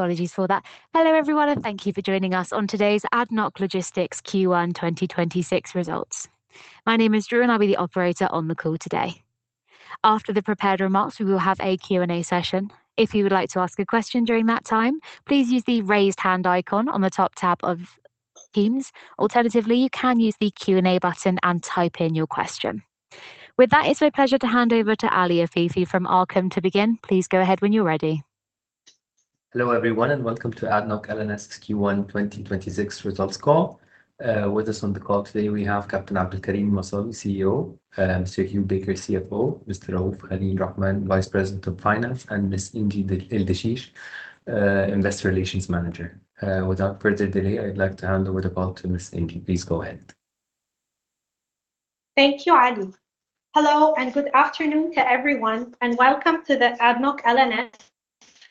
Apologies for that. Hello, everyone. Thank you for joining us on today's ADNOC Logistics Q1 2026 results. My name is Drew, I'll be the operator on the call today. After the prepared remarks, we will have a Q&A session. If you would like to ask a question during that time, please use the raise hand icon on the top tab of Teams. Alternatively, you can use the Q&A button and type in your question. With that, it's my pleasure to hand over to Ali Afifi from Arqaam to begin. Please go ahead when you're ready. Hello, everyone, and welcome to ADNOC L&S Q1 2026 results call. With us on the call today we have Captain Abdulkareem Al Masabi, CEO; Mr. Hugh Baker, CFO; Mr. Rahoof Khaleel Rahman, Vice President of Finance; and Miss Engy El Dishish, Investor Relations Manager. Without further delay, I'd like to hand over the call to Miss Engy. Please go ahead. Thank you, Ali. Hello, and good afternoon to everyone, and welcome to the ADNOC L&S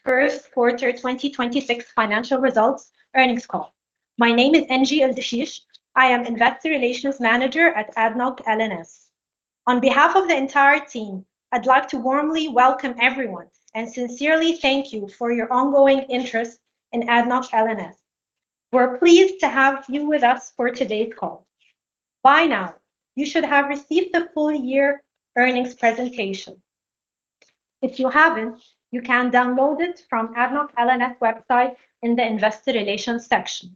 first quarter 2026 financial results earnings call. My name is Engy El Dishish. I am Investor Relations Manager at ADNOC L&S. On behalf of the entire team, I'd like to warmly welcome everyone and sincerely thank you for your ongoing interest in ADNOC L&S. We're pleased to have you with us for today's call. By now, you should have received the full year earnings presentation. If you haven't, you can download it from ADNOC L&S website in the investor relations section.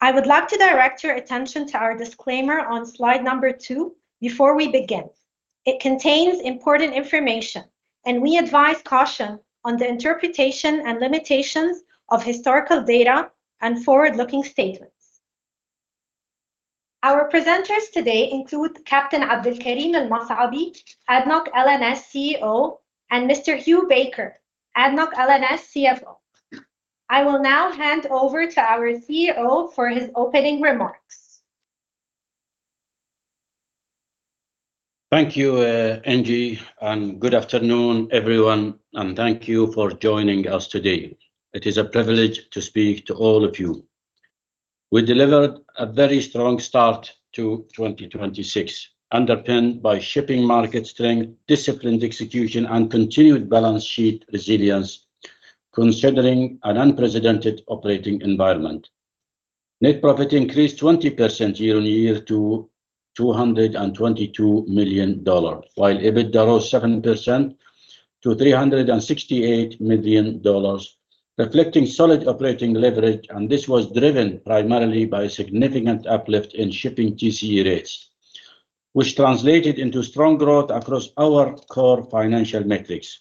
I would like to direct your attention to our disclaimer on slide number two before we begin. It contains important information, and we advise caution on the interpretation and limitations of historical data and forward-looking statements. Our presenters today include Captain Abdulkareem Al Masabi, ADNOC L&S CEO, and Mr. Hugh Baker, ADNOC L&S CFO. I will now hand over to our CEO for his opening remarks. Thank you, Engy, and good afternoon, everyone, and thank you for joining us today. It is a privilege to speak to all of you. We delivered a very strong start to 2026, underpinned by shipping market strength, disciplined execution, and continued balance sheet resilience, considering an unprecedented operating environment. Net profit increased 20% year-on-year to $222 million, while EBITDA rose 7% to $368 million, reflecting solid operating leverage, and this was driven primarily by significant uplift in shipping TCE rates, which translated into strong growth across our core financial metrics,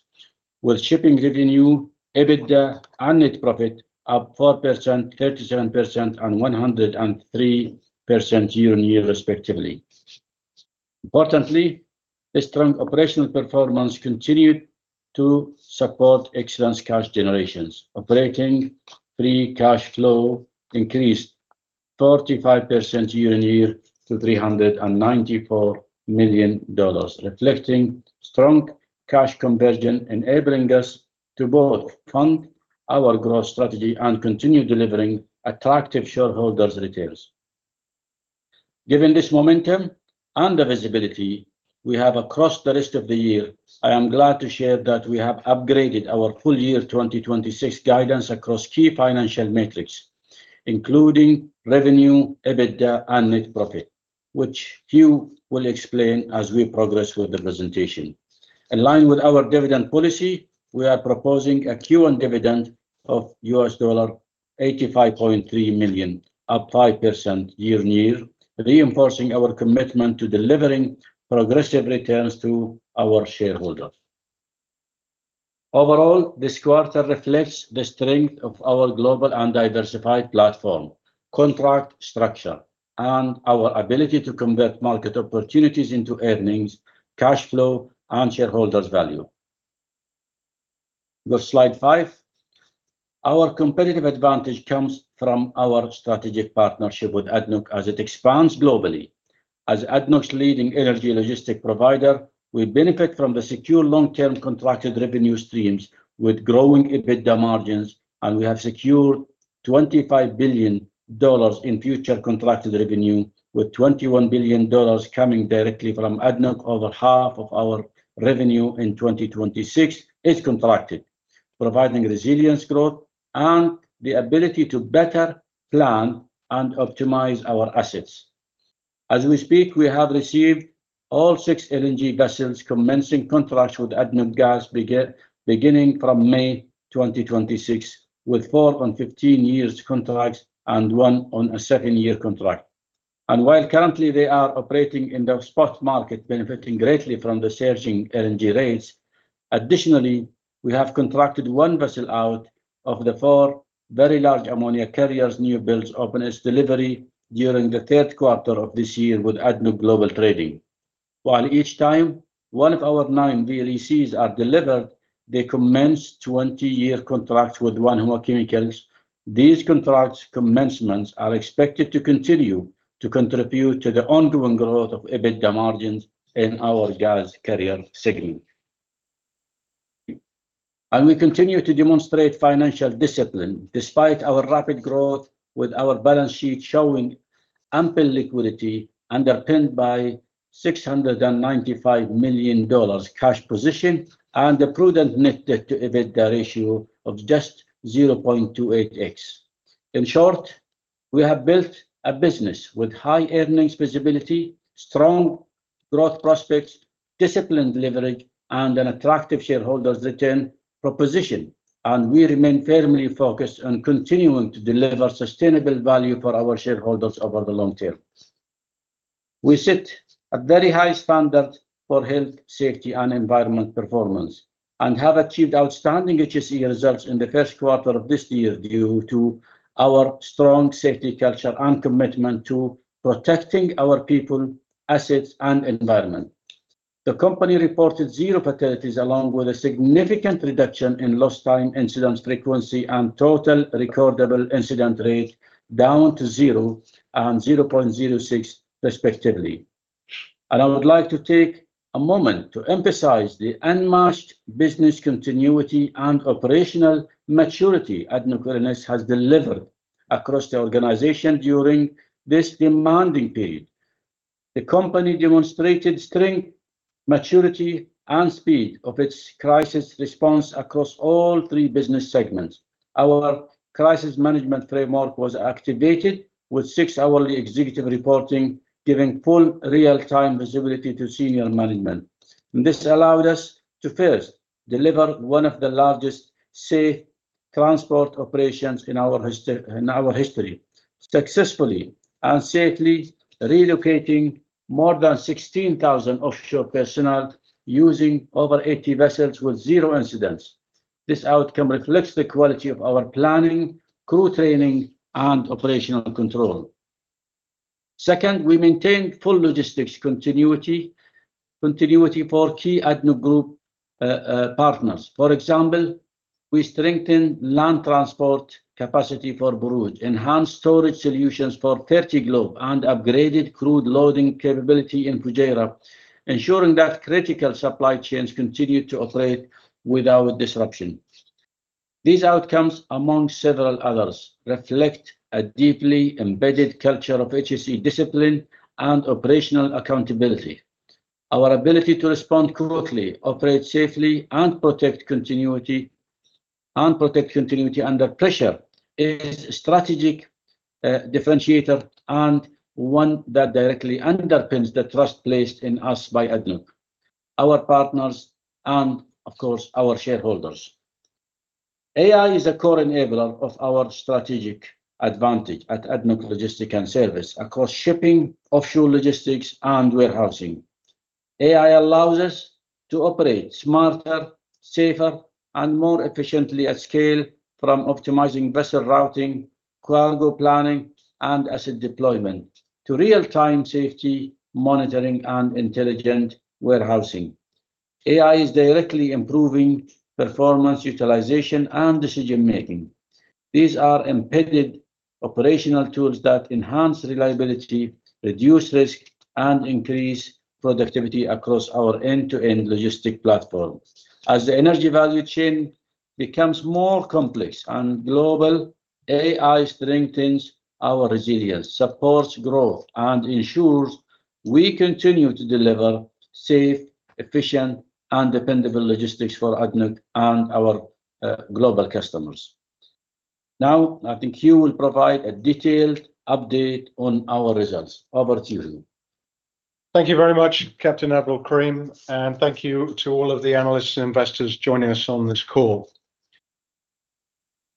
with shipping revenue, EBITDA, and net profit up 4%, 37%, and 103% year-on-year respectively. Importantly, the strong operational performance continued to support excellence cash generations. Operating free cash flow increased 45% year-on-year to $394 million, reflecting strong cash conversion, enabling us to both fund our growth strategy and continue delivering attractive shareholders returns. Given this momentum and the visibility we have across the rest of the year, I am glad to share that we have upgraded our full year 2026 guidance across key financial metrics, including revenue, EBITDA, and net profit, which Hugh will explain as we progress with the presentation. In line with our dividend policy, we are proposing a Q1 dividend of $85.3 million, up 5% year-on-year, reinforcing our commitment to delivering progressive returns to our shareholders. Overall, this quarter reflects the strength of our global and diversified platform, contract structure, and our ability to convert market opportunities into earnings, cash flow, and shareholders value. Go slide five. Our competitive advantage comes from our strategic partnership with ADNOC as it expands globally. As ADNOC's leading energy logistic provider, we benefit from the secure long-term contracted revenue streams with growing EBITDA margins. We have secured $25 billion in future contracted revenue, with $21 billion coming directly from ADNOC. Over half of our revenue in 2026 is contracted, providing resilience growth and the ability to better plan and optimize our assets. As we speak, we have received all six LNG vessels commencing contracts with ADNOC Gas beginning from May 2026, with four on 15-year contracts and one on a second-year contract. While currently they are operating in the spot market, benefiting greatly from the surging LNG rates, additionally, we have contracted one vessel out of the four very large ammonia carriers newbuilds upon its delivery during the third quarter of this year with ADNOC Global Trading. While each time one of our nine VLECs are delivered, they commence 20-year contracts with Wanhua Chemical. These contract commencements are expected to continue to contribute to the ongoing growth of EBITDA margins in our gas carrier segment. We continue to demonstrate financial discipline despite our rapid growth with our balance sheet showing ample liquidity underpinned by a $695 million cash position and a prudent net debt to EBITDA ratio of just 0.28x. In short, we have built a business with high earnings visibility, strong growth prospects, disciplined leverage and an attractive shareholders return proposition, and we remain firmly focused on continuing to deliver sustainable value for our shareholders over the long term. We set a very high standard for health, safety and environment performance and have achieved outstanding HSE results in the first quarter of this year due to our strong safety culture and commitment to protecting our people, assets and environment. The company reported zero fatalities along with a significant reduction in lost time incident frequency and total recordable incident rate down to 0 and 0.06 respectively. I would like to take a moment to emphasize the unmatched business continuity and operational maturity ADNOC L&S has delivered across the organization during this demanding period. The company demonstrated strength, maturity and speed of its crisis response across all three business segments. Our crisis management framework was activated with six-hourly executive reporting, giving full real-time visibility to senior management. This allowed us to first deliver one of the largest safe transport operations in our history, successfully and safely relocating more than 16,000 offshore personnel using over 80 vessels with zero incidents. This outcome reflects the quality of our planning, crew training and operational control. Second, we maintain full logistics continuity for key ADNOC Group partners. For example, we strengthen land transport capacity for Borouge, enhanced storage solutions for Fertiglobe and upgraded crude loading capability in Fujairah, ensuring that critical supply chains continue to operate without disruption. These outcomes, among several others, reflect a deeply embedded culture of HSE discipline and operational accountability. Our ability to respond quickly, operate safely, and protect continuity under pressure is a strategic differentiator and one that directly underpins the trust placed in us by ADNOC, our partners and of course our shareholders. AI is a core enabler of our strategic advantage at ADNOC Logistics & Services across shipping, offshore logistics and warehousing. AI allows us to operate smarter, safer and more efficiently at scale from optimizing vessel routing, cargo planning and asset deployment to real-time safety monitoring and intelligent warehousing. AI is directly improving performance, utilization and decision making. These are embedded operational tools that enhance reliability, reduce risk, and increase productivity across our end-to-end logistic platform. As the energy value chain becomes more complex and global, AI strengthens our resilience, supports growth and ensures we continue to deliver safe, efficient and dependable logistics for ADNOC and our global customers. I think Hugh will provide a detailed update on our results. Over to you, Hugh. Thank you very much, Captain Abdulkareem, and thank you to all of the analysts and investors joining us on this call.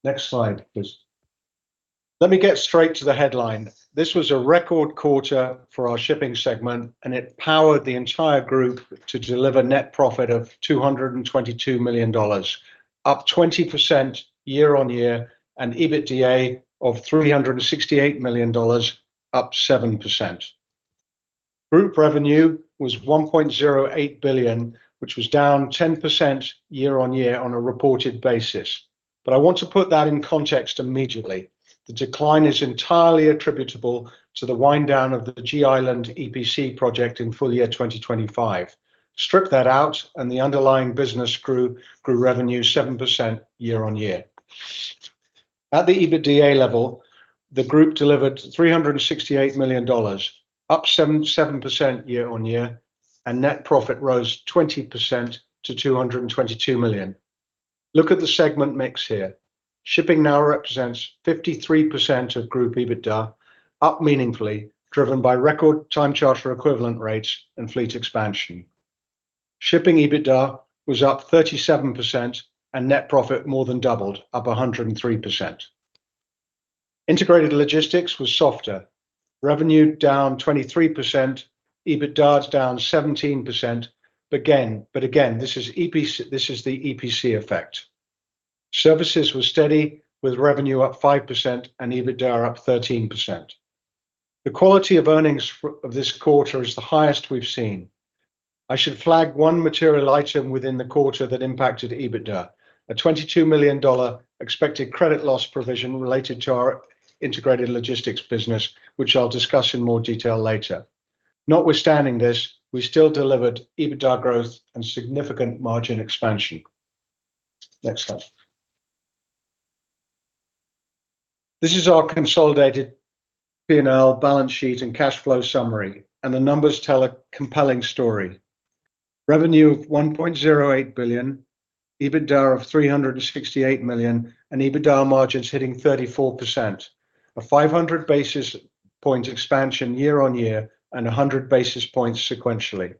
Next slide, please. Let me get straight to the headline. This was a record quarter for our shipping segment, and it powered the entire group to deliver net profit of $222 million, up 20% year-on-year, and EBITDA of $368 million, up 7%. Group revenue was $1.08 billion, which was down 10% year-on-year on a reported basis. I want to put that in context immediately. The decline is entirely attributable to the wind down of the G Island EPC project in full year 2025. Strip that out, the underlying business grew revenue 7% year-on-year. At the EBITDA level, the group delivered $368 million, up 7% year-on-year, and net profit rose 20% to $222 million. Look at the segment mix here. Shipping now represents 53% of group EBITDA, up meaningfully, driven by record time charter equivalent rates and fleet expansion. Shipping EBITDA was up 37% and net profit more than doubled, up 103%. Integrated logistics was softer. Revenue down 23%, EBITDA is down 17%. Again, this is the EPC effect. Services were steady, with revenue up 5% and EBITDA up 13%. The quality of earnings of this quarter is the highest we've seen. I should flag one material item within the quarter that impacted EBITDA, an $22 million expected credit loss provision related to our integrated logistics business, which I will discuss in more detail later. Notwithstanding this, we still delivered EBITDA growth and significant margin expansion. Next slide. This is our consolidated P&L balance sheet and cash flow summary, and the numbers tell a compelling story. Revenue of $1.08 billion, EBITDA of $368 million, and EBITDA margins hitting 34%. A 500 basis points expansion year-on-year and 100 basis points sequentially.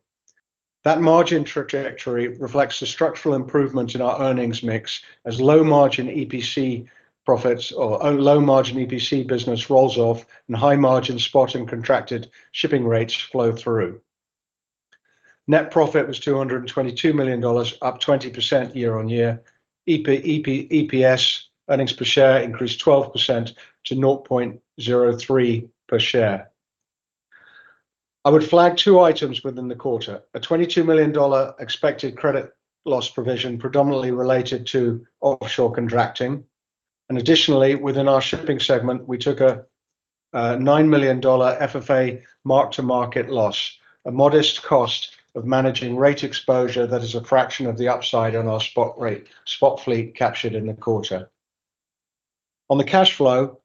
That margin trajectory reflects the structural improvement in our earnings mix as low margin EPC profits or low margin EPC business rolls off and high margin spot and contracted shipping rates flow through. Net profit was $222 million, up 20% year-on-year. EPS earnings per share increased 12% to 0.03 per share. I would flag two items within the quarter. A $22 million expected credit loss provision predominantly related to offshore contracting. Additionally, within our shipping segment, we took a $9 million FFA mark-to-market loss, a modest cost of managing rate exposure that is a fraction of the upside on our spot rate, spot fleet captured in the quarter. On the cash flow,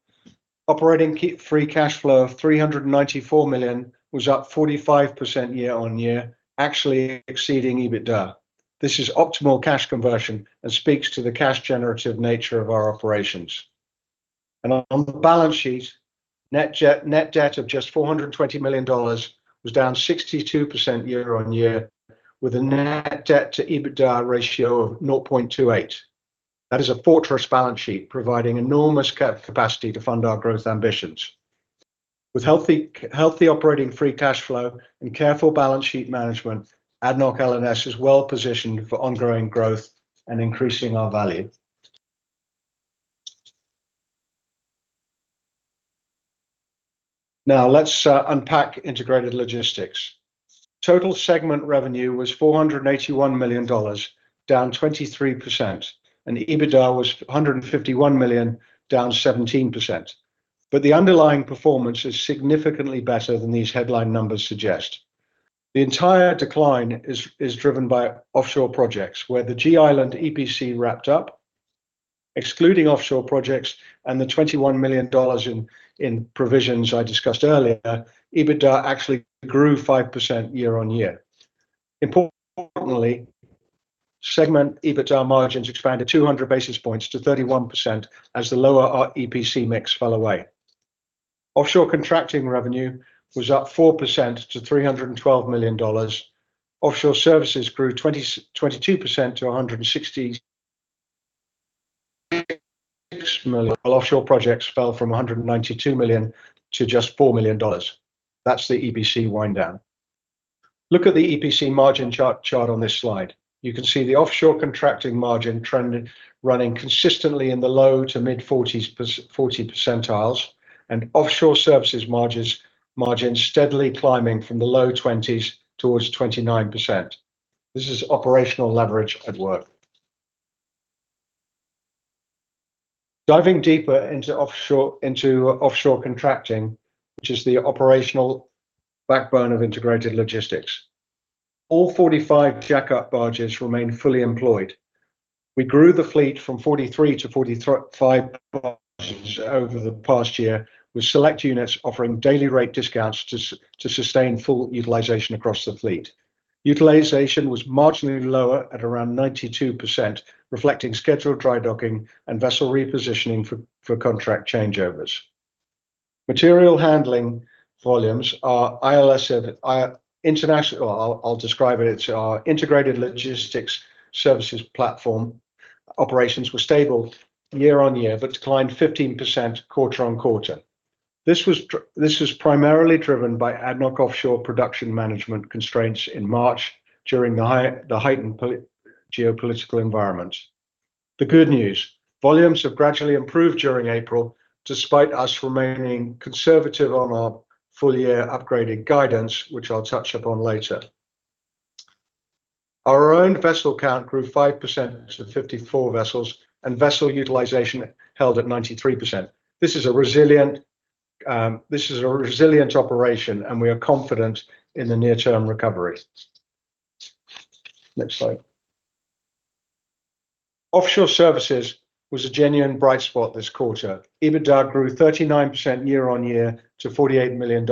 operating free cash flow of $394 million was up 45% year-on-year, actually exceeding EBITDA. This is optimal cash conversion and speaks to the cash generative nature of our operations. On the balance sheet, net debt of just $420 million was down 62% year-on-year with a net debt to EBITDA ratio of 0.28. That is a fortress balance sheet providing enormous capacity to fund our growth ambitions. With healthy operating free cash flow and careful balance sheet management, ADNOC L&S is well-positioned for ongoing growth and increasing our value. Now, let's unpack integrated logistics. Total segment revenue was $481 million, down 23%, and the EBITDA was $151 million, down 17%. The underlying performance is significantly better than these headline numbers suggest. The entire decline is driven by offshore projects where the G Island EPC wrapped up, excluding offshore projects and the $21 million in provisions I discussed earlier, EBITDA actually grew 5% year-on-year. Importantly, segment EBITDA margins expanded 200 basis points to 31% as the lower our EPC mix fell away. Offshore contracting revenue was up 4% to $312 million. Offshore services grew 22% to $166 million, while offshore projects fell from $192 million to just $4 million. That's the EPC wind down. Look at the EPC margin chart on this slide. You can see the offshore contracting margin trend running consistently in the low to mid-40 percentiles and offshore services margin steadily climbing from the low 20s towards 29%. This is operational leverage at work. Diving deeper into offshore contracting, which is the operational backbone of integrated logistics. All 45 jack-up barges remain fully employed. We grew the fleet from 43 to 45 barges over the past year, with select units offering daily rate discounts to sustain full utilization across the fleet. Utilization was marginally lower at around 92%, reflecting scheduled dry docking and vessel repositioning for contract changeovers. Material handling volumes are ILSP, I'll describe it. It's our Integrated Logistics Services Platform. Operations were stable year-on-year, but declined 15% quarter-on-quarter. This was primarily driven by ADNOC offshore production management constraints in March during the heightened geopolitical environment. The good news, volumes have gradually improved during April, despite us remaining conservative on our full-year upgraded guidance, which I'll touch upon later. Our own vessel count grew 5% to 54 vessels, and vessel utilization held at 93%. This is a resilient operation, and we are confident in the near-term recovery. Next slide. Offshore services was a genuine bright spot this quarter, EBITDA grew 39% year on year to $48 million,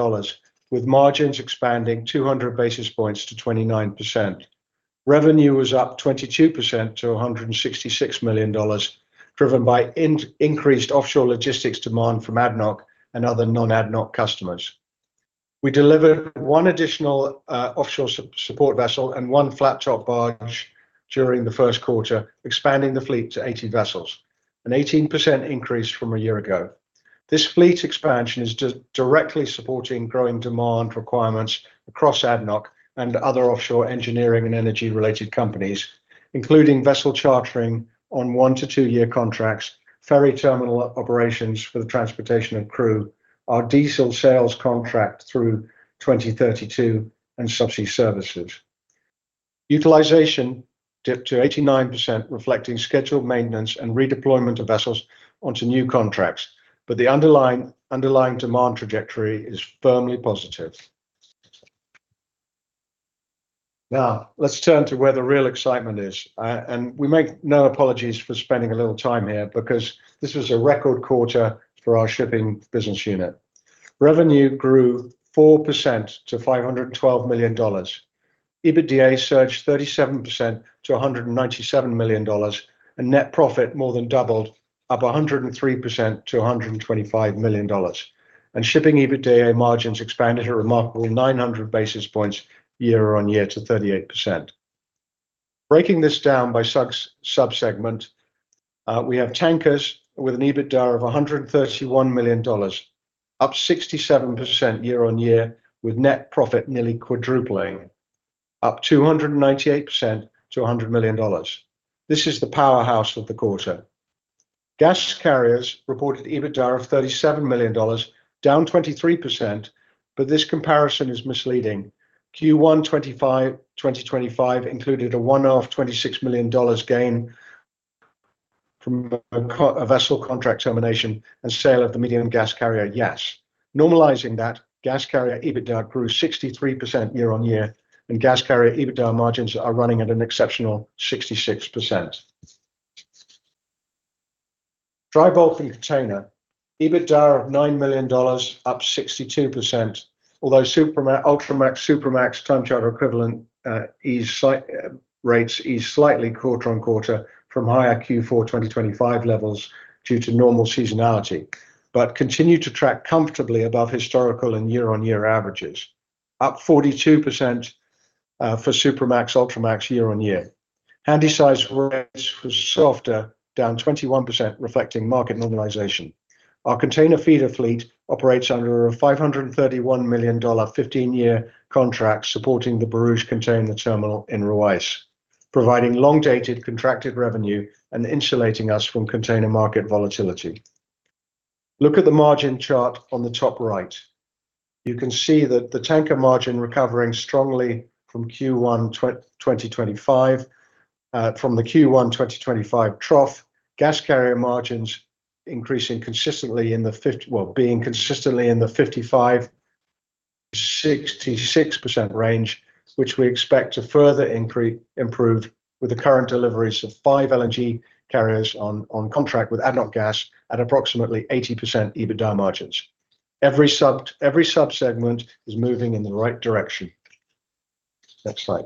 with margins expanding 200 basis points to 29%. Revenue was up 22% to $166 million, driven by increased offshore logistics demand from ADNOC and other non-ADNOC customers. We delivered one additional offshore support vessel and one Flat Top Barge during the first quarter, expanding the fleet to 80 vessels, an 18% increase from a year ago. This fleet expansion is directly supporting growing demand requirements across ADNOC and other offshore engineering and energy-related companies, including vessel chartering on one to two year contracts, ferry terminal operations for the transportation of crew, our diesel sales contract through 2032 and subsea services. Utilization dipped to 89%, reflecting scheduled maintenance and redeployment of vessels onto new contracts. The underlying demand trajectory is firmly positive. Now let's turn to where the real excitement is. We make no apologies for spending a little time here because this was a record quarter for our shipping business unit. Revenue grew 4% to $512 million. EBITDA surged 37% to $197 million, net profit more than doubled up 103% to $125 million. Shipping EBITDA margins expanded a remarkable 900 basis points year-on-year to 38%. Breaking this down by sub-segment, we have tankers with an EBITDA of $131 million, up 67% year-on-year, with net profit nearly quadrupling, up 298% to $100 million. This is the powerhouse of the quarter. Gas carriers reported EBITDA of $37 million, down 23%, this comparison is misleading. Q1 2025 included a one-off $26 million gain from a vessel contract termination and sale of the medium gas carrier Yas. Normalizing that gas carrier EBITDA grew 63% year-on-year and gas carrier EBITDA margins are running at an exceptional 66%. Dry bulk and container EBITDA of $9 million, up 62%. Although Ultramax, Supramax time charter equivalent rates eased slightly quarter-on-quarter from higher Q4 2025 levels due to normal seasonality, but continue to track comfortably above historical and year-on-year averages, up 42% for Supramax, Ultramax year-on-year. Handysize rates was softer, down 21%, reflecting market normalization. Our container feeder fleet operates under a $531 million 15-year contract supporting the Borouge container terminal in Ruwais, providing long-dated contracted revenue and insulating us from container market volatility. Look at the margin chart on the top right. You can see that the tanker margin recovering strongly from Q1 2025, from the Q1 2025 trough. Gas carrier margins increasing consistently in the 55%-66% range, which we expect to further improve with the current deliveries of five LNG carriers on contract with ADNOC Gas at approximately 80% EBITDA margins. Every sub-segment is moving in the right direction. Next slide.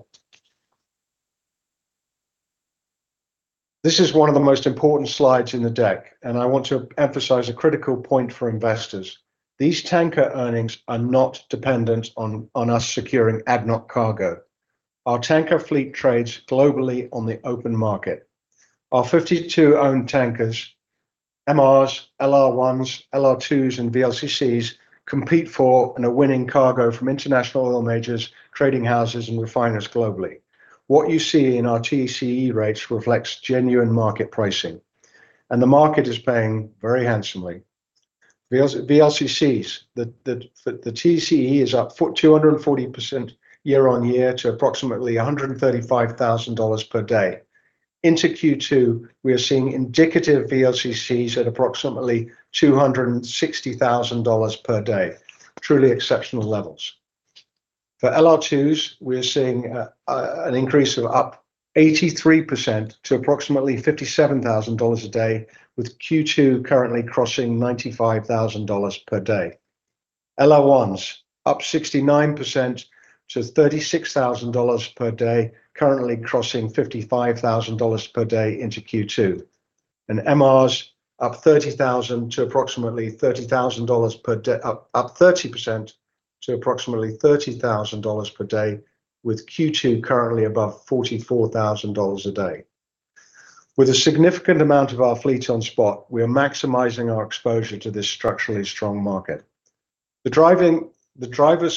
This is one of the most important slides in the deck. I want to emphasize a critical point for investors. These tanker earnings are not dependent on us securing ADNOC cargo. Our tanker fleet trades globally on the open market. Our 52 owned tankers, MRs, LR1s, LR2s and VLCCs compete for and are winning cargo from international oil majors, trading houses and refiners globally. What you see in our TCE rates reflects genuine market pricing. The market is paying very handsomely. VLCCs, the TCE is up 240% year-on-year to approximately $135,000 per day. Into Q2, we are seeing indicative VLCCs at approximately $260,000 per day. Truly exceptional levels. For LR2s, we are seeing an increase of up 83% to approximately $57,000 a day, with Q2 currently crossing $95,000 per day. LR1s up 69% to $36,000 per day, currently crossing $55,000 per day into Q2. MRs up 30% to approximately $30,000 per day, with Q2 currently above $44,000 a day. With a significant amount of our fleet on spot, we are maximizing our exposure to this structurally strong market. The drivers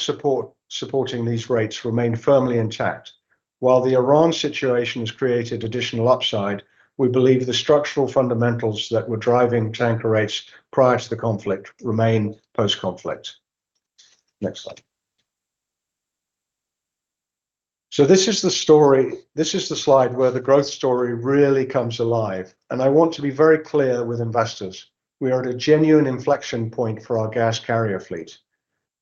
supporting these rates remain firmly intact. While the Iran situation has created additional upside, we believe the structural fundamentals that were driving tanker rates prior to the conflict remain post-conflict. Next slide. This is the story, this is the slide where the growth story really comes alive. I want to be very clear with investors, we are at a genuine inflection point for our gas carrier fleet.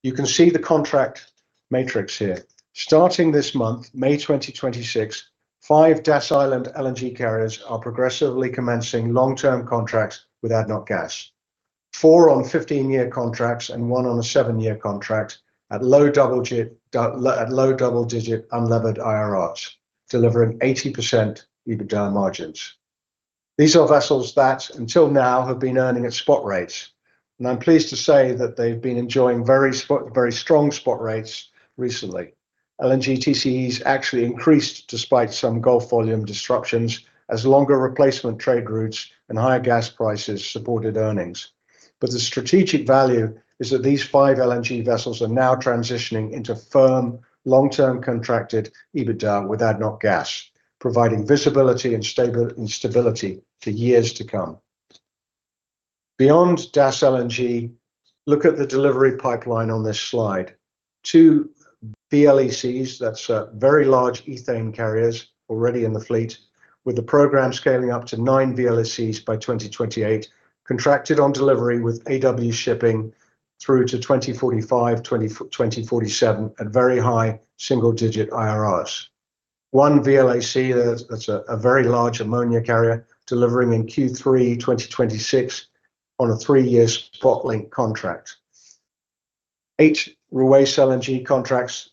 You can see the contract matrix here. Starting this month, May 2026, five Das Island LNG carriers are progressively commencing long-term contracts with ADNOC Gas. Four on 15-year contracts and one on a seven-year contract at low double-digit unlevered IRRs, delivering 80% EBITDA margins. These are vessels that until now have been earning at spot rates, and I am pleased to say that they have been enjoying very strong spot rates recently. LNG TCEs actually increased despite some Gulf volume disruptions as longer replacement trade routes and higher gas prices supported earnings. The strategic value is that these five LNG vessels are now transitioning into firm long-term contracted EBITDA with ADNOC Gas, providing visibility and stability for years to come. Beyond Das LNG, look at the delivery pipeline on this slide. Two VLECs, that is, Very Large Ethane Carriers already in the fleet with the program scaling up to nine VLECs by 2028 contracted on delivery with AW Shipping through to 2045, 2047 at very high single digit IRRs. One VLAC, that's a very large ammonia carrier delivering in Q3 2026 on a three-years spot link contract. Eight Ruwais LNG contracts,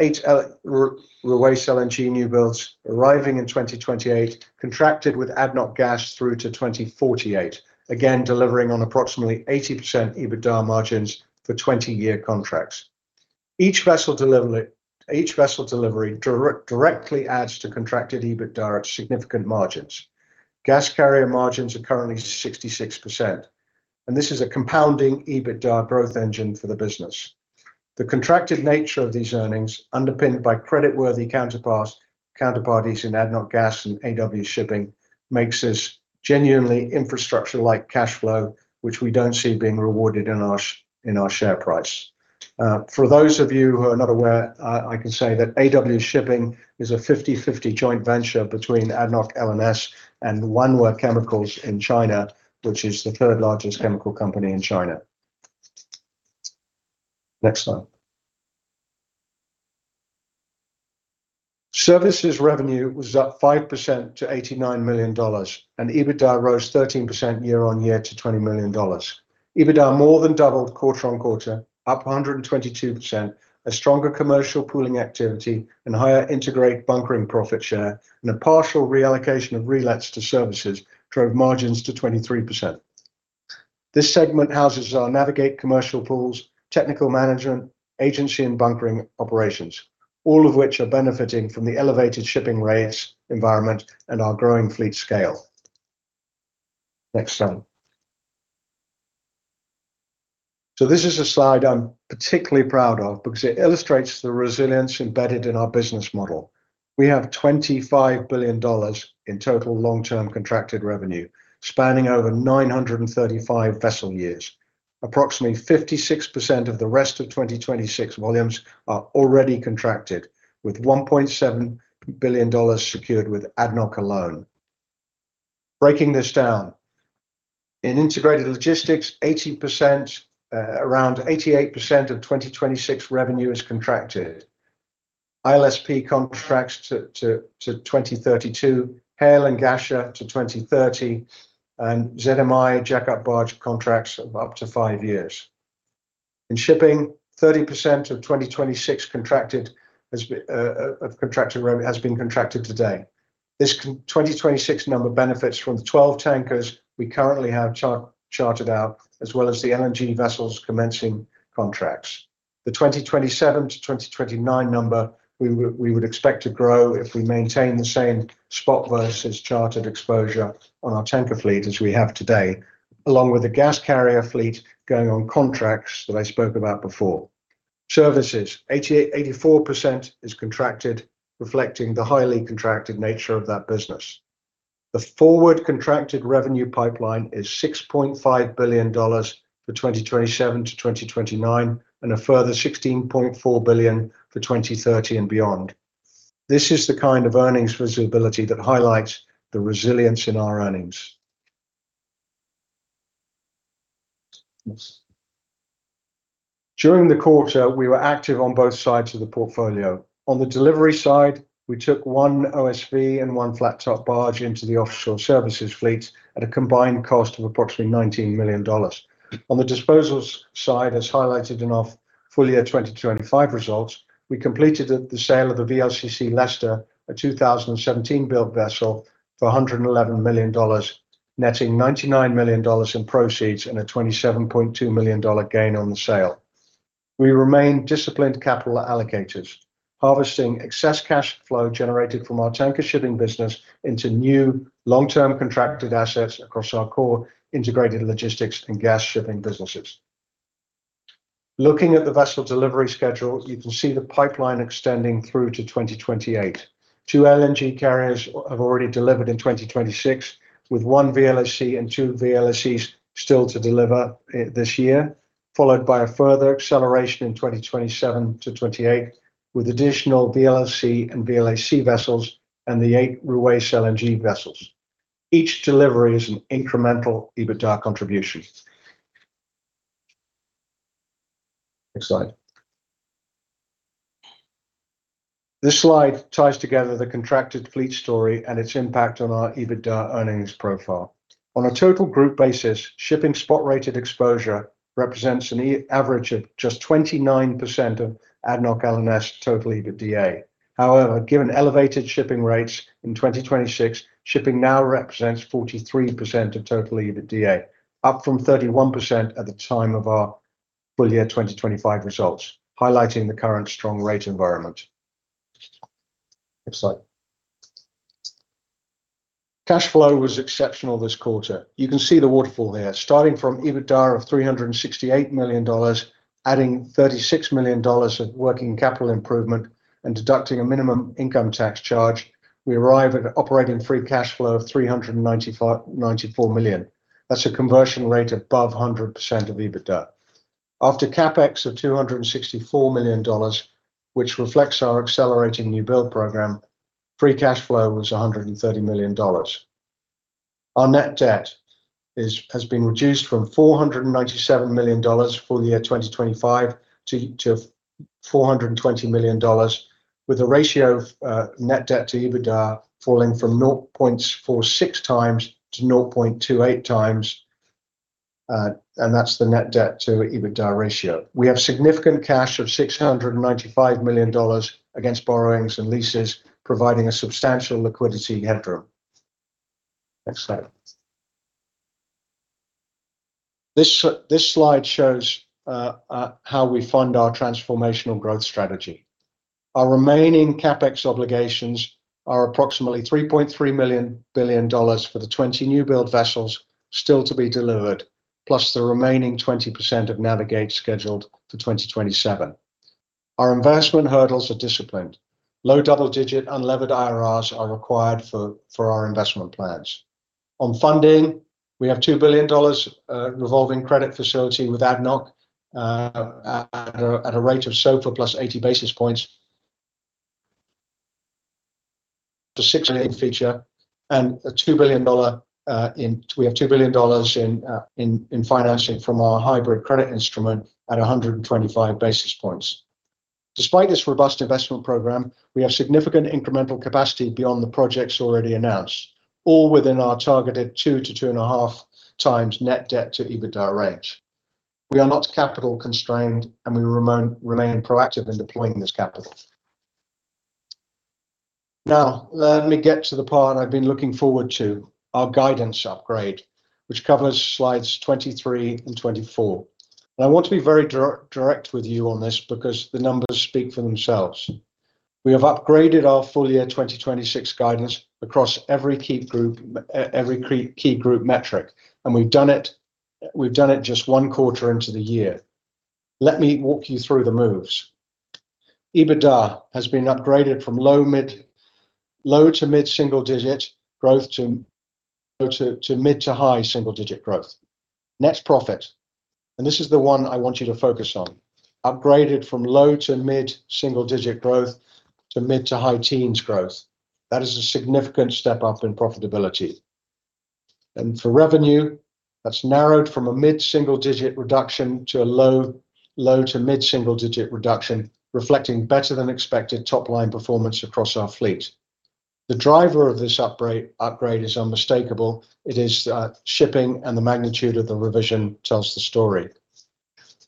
eight Ruwais LNG new builds arriving in 2028 contracted with ADNOC Gas through to 2048. Again, delivering on approximately 80% EBITDA margins for 20-year contracts. Each vessel delivery directly adds to contracted EBITDA at significant margins. Gas carrier margins are currently 66%, and this is a compounding EBITDA growth engine for the business. The contracted nature of these earnings, underpinned by creditworthy counterparties in ADNOC Gas and AW Shipping, makes this genuinely infrastructure-like cash flow, which we don't see being rewarded in our share price. For those of you who are not aware, I can say that AW Shipping is a 50/50 joint venture between ADNOC L&S and Wanhua Chemical in China, which is the third largest chemical company in China. Next slide. Services revenue was up 5% to $89 million, and EBITDA rose 13% year-over-year to $20 million. EBITDA more than doubled quarter-on-quarter, up 122%. A stronger commercial pooling activity and higher integrate bunkering profit share and a partial reallocation of relets to services drove margins to 23%. This segment houses our Navig8 commercial pools, technical management, agency and bunkering operations, all of which are benefiting from the elevated shipping rates environment and our growing fleet scale. Next slide. This is a slide I'm particularly proud of because it illustrates the resilience embedded in our business model. We have $25 billion in total long-term contracted revenue spanning over 935 vessel years. Approximately 56% of the rest of 2026 volumes are already contracted with $1.7 billion secured with ADNOC alone. Breaking this down. In integrated logistics, 80%, around 88% of 2026 revenue is contracted. ILSP contracts to 2032, Hail and Ghasha to 2030, and ZMI jack-up barge contracts of up to five years. In shipping, 30% of 2026 contracted has been contracted to date. This 2026 number benefits from the 12 tankers we currently have chartered out, as well as the LNG vessels commencing contracts. The 2027-2029 number we would expect to grow if we maintain the same spot versus chartered exposure on our tanker fleet as we have today, along with the gas carrier fleet going on contracts that I spoke about before. Services, 88%, 84% is contracted, reflecting the highly contracted nature of that business. The forward contracted revenue pipeline is $6.5 billion for 2027-2029, and a further $16.4 billion for 2030 and beyond. This is the kind of earnings visibility that highlights the resilience in our earnings. Yes. During the quarter, we were active on both sides of the portfolio. On the delivery side, we took one OSV and one Flat Top Barge into the offshore services fleet at a combined cost of approximately $19 million. On the disposals side, as highlighted in our full year 2025 results, we completed the sale of the VLCC Leicester, a 2017-built vessel for $111 million, netting $99 million in proceeds and a $27.2 million gain on the sale. We remain disciplined capital allocators, harvesting excess cash flow generated from our tanker shipping business into new long-term contracted assets across our core integrated logistics and gas shipping businesses. Looking at the vessel delivery schedule, you can see the pipeline extending through to 2028. Two LNG carriers have already delivered in 2026, with one VLAC and two VLACs still to deliver this year, followed by a further acceleration in 2027-2028, with additional VLAC and VLAC vessels and the eight Ruwais LNG vessels. Each delivery is an incremental EBITDA contribution. Next slide. This slide ties together the contracted fleet story and its impact on our EBITDA earnings profile. On a total group basis, shipping spot-rated exposure represents an average of just 29% of ADNOC L&S total EBITDA. However, given elevated shipping rates in 2026, shipping now represents 43% of total EBITDA, up from 31% at the time of our full year 2025 results, highlighting the current strong rate environment. Next slide. Cash flow was exceptional this quarter, you can see the waterfall there. Starting from EBITDA of $368 million, adding $36 million of working capital improvement and deducting a minimum income tax charge, we arrive at operating free cash flow of $394 million. That's a conversion rate above 100% of EBITDA. After CapEx of $264 million, which reflects our accelerating new build program, free cash flow was $130 million. Our net debt has been reduced from $497 million for the year 2025 to $420 million with a ratio of net debt to EBITDA falling from 0.46x-0.28x. That's the net debt to EBITDA ratio. We have significant cash of $695 million against borrowings and leases, providing a substantial liquidity headroom. Next slide. This slide shows how we fund our transformational growth strategy. Our remaining CapEx obligations are approximately $3.3 billion for the 20 new build vessels still to be delivered, plus the remaining 20% of Navig8 scheduled for 2027. Our investment hurdles are disciplined. Low double-digit unlevered IRRs are required for our investment plans. On funding, we have $2 billion revolving credit facility with ADNOC at a rate of SOFR plus 80 basis points. The six and eight feature and we have $2 billion in financing from our hybrid credit instrument at 125 basis points. Despite this robust investment program, we have significant incremental capacity beyond the projects already announced, all within our targeted 2x-2.5x net debt to EBITDA range. We are not capital constrained, we remain proactive in deploying this capital. Let me get to the part I've been looking forward to, our guidance upgrade, which covers slides 23 and 24. I want to be very direct with you on this because the numbers speak for themselves. We have upgraded our full year 2026 guidance across every key group, every key group metric, and we've done it just one quarter into the year. Let me walk you through the moves. EBITDA has been upgraded from low to mid-single digit growth to mid to high single digit growth. Net profit, and this is the one I want you to focus on, upgraded from low to mid-single digit growth to mid to high teens growth. That is a significant step up in profitability. For revenue, that's narrowed from a mid-single-digit reduction to a low to mid-single-digit reduction, reflecting better than expected top-line performance across our fleet. The driver of this upgrade is unmistakable. It is shipping, and the magnitude of the revision tells the story.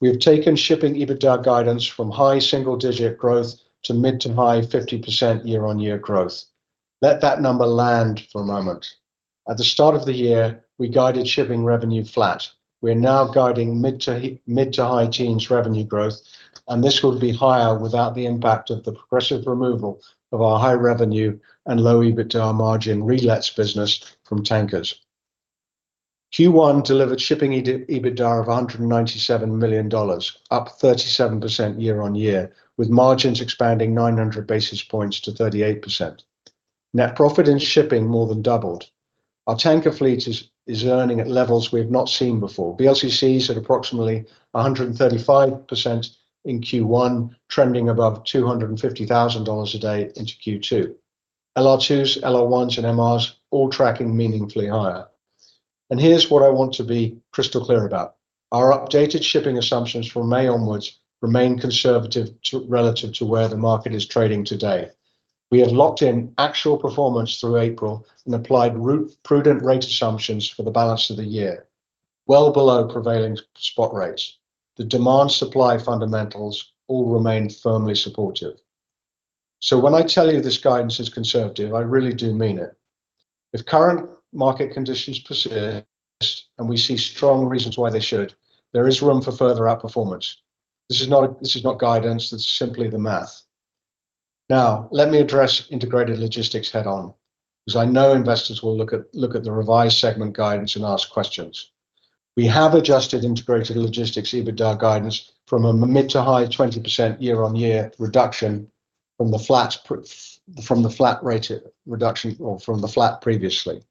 We have taken shipping EBITDA guidance from high-single-digit growth to mid-to-high 50% year-on-year growth. Let that number land for a moment. At the start of the year, we guided shipping revenue flat. We are now guiding mid-to-high teens revenue growth, and this would be higher without the impact of the progressive removal of our high revenue and low EBITDA margin relets business from tankers. Q1 delivered shipping EBITDA of $197 million, up 37% year-on-year, with margins expanding 900 basis points to 38%. Net profit in shipping more than doubled. Our tanker fleet is earning at levels we have not seen before. VLCC is at approximately 135% in Q1, trending above $250,000 a day into Q2. LR2s, LR1s and MRs all tracking meaningfully higher. Here's what I want to be crystal clear about. Our updated shipping assumptions from May onwards remain conservative relative to where the market is trading today. We have locked in actual performance through April and applied prudent rate assumptions for the balance of the year, well below prevailing spot rates. The demand supply fundamentals all remain firmly supportive. When I tell you this guidance is conservative, I really do mean it. If current market conditions persist, and we see strong reasons why they should, there is room for further outperformance. This is not guidance, that's simply the math. Now, let me address Integrated Logistics head on, because I know investors will look at the revised segment guidance and ask questions. We have adjusted integrated logistics EBITDA guidance from a mid to high 20% year-on-year reduction from the flat previously.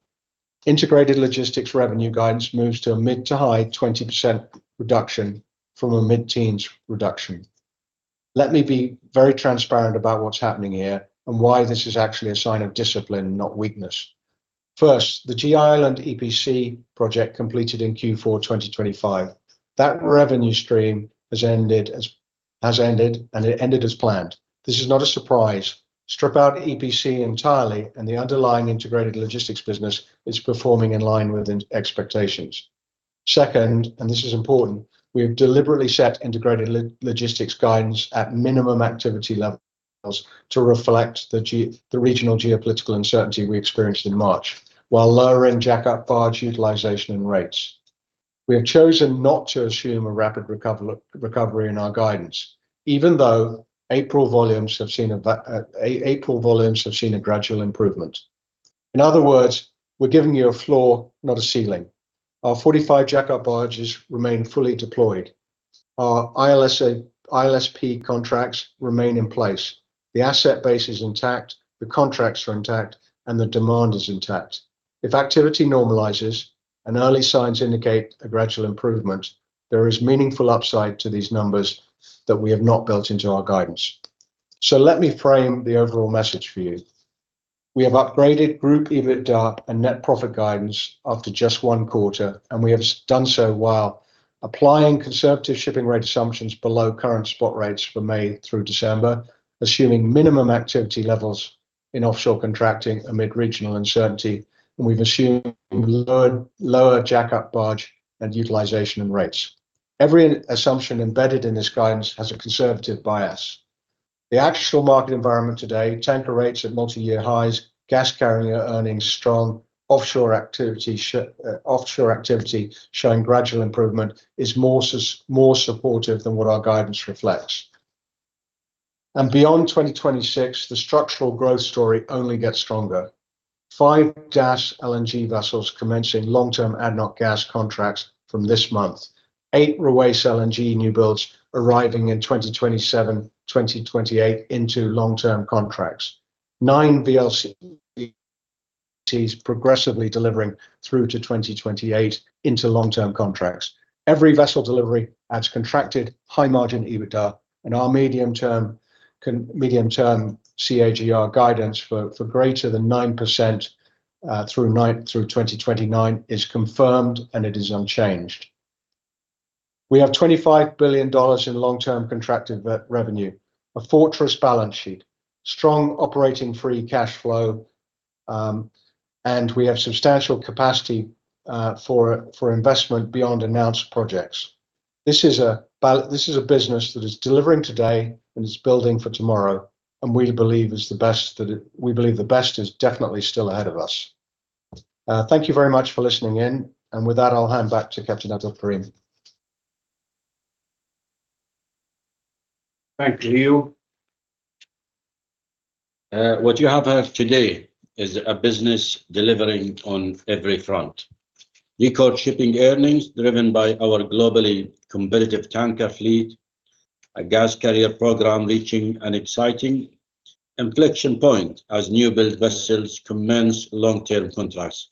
Integrated logistics revenue guidance moves to a mid to high 20% reduction from a mid-teens reduction. Let me be very transparent about what's happening here and why this is actually a sign of discipline, not weakness. First, the G Island EPC project completed in Q4 2025. That revenue stream has ended, and it ended as planned. This is not a surprise. Strip out EPC entirely, and the underlying integrated logistics business is performing in line with expectations. Second, and this is important, we have deliberately set integrated logistics guidance at minimum activity levels to reflect the regional geopolitical uncertainty we experienced in March, while lowering jack-up barge utilization and rates. We have chosen not to assume a rapid recovery in our guidance, even though April volumes have seen a gradual improvement. In other words, we are giving you a floor, not a ceiling. Our 45 jack-up barges remain fully deployed. Our ILSP contracts remain in place. The asset base is intact, the contracts are intact, and the demand is intact. If activity normalizes, and early signs indicate a gradual improvement, there is meaningful upside to these numbers that we have not built into our guidance. Let me frame the overall message for you. We have upgraded group EBITDA and net profit guidance after just one quarter. We have done so while applying conservative shipping rate assumptions below current spot rates for May through December, assuming minimum activity levels in offshore contracting amid regional uncertainty, and we've assumed lower jack-up barge and utilization and rates. Every assumption embedded in this guidance has a conservative bias. The actual market environment today, tanker rates at multi-year highs, gas carrier earnings strong, offshore activity showing gradual improvement is more supportive than what our guidance reflects. Beyond 2026, the structural growth story only gets stronger, five gas LNG vessels commencing long-term ADNOC Gas contracts from this month. Eight Ruwais LNG new builds arriving in 2027, 2028 into long-term contracts. Nine VLCCs progressively delivering through to 2028 into long-term contracts. Every vessel delivery adds contracted high margin EBITDA and our medium term CAGR guidance for greater than 9% through 2029 is confirmed and it is unchanged. We have $25 billion in long-term contracted revenue, a fortress balance sheet, strong operating free cash flow, and we have substantial capacity for investment beyond announced projects. This is a business that is delivering today and is building for tomorrow, and we believe the best is definitely still ahead of us. Thank you very much for listening in, and with that, I'll hand back to Captain Abdulkareem. Thank you. What you have heard today is a business delivering on every front. Record shipping earnings driven by our globally competitive tanker fleet, a gas carrier program reaching an exciting inflection point as new build vessels commence long-term contracts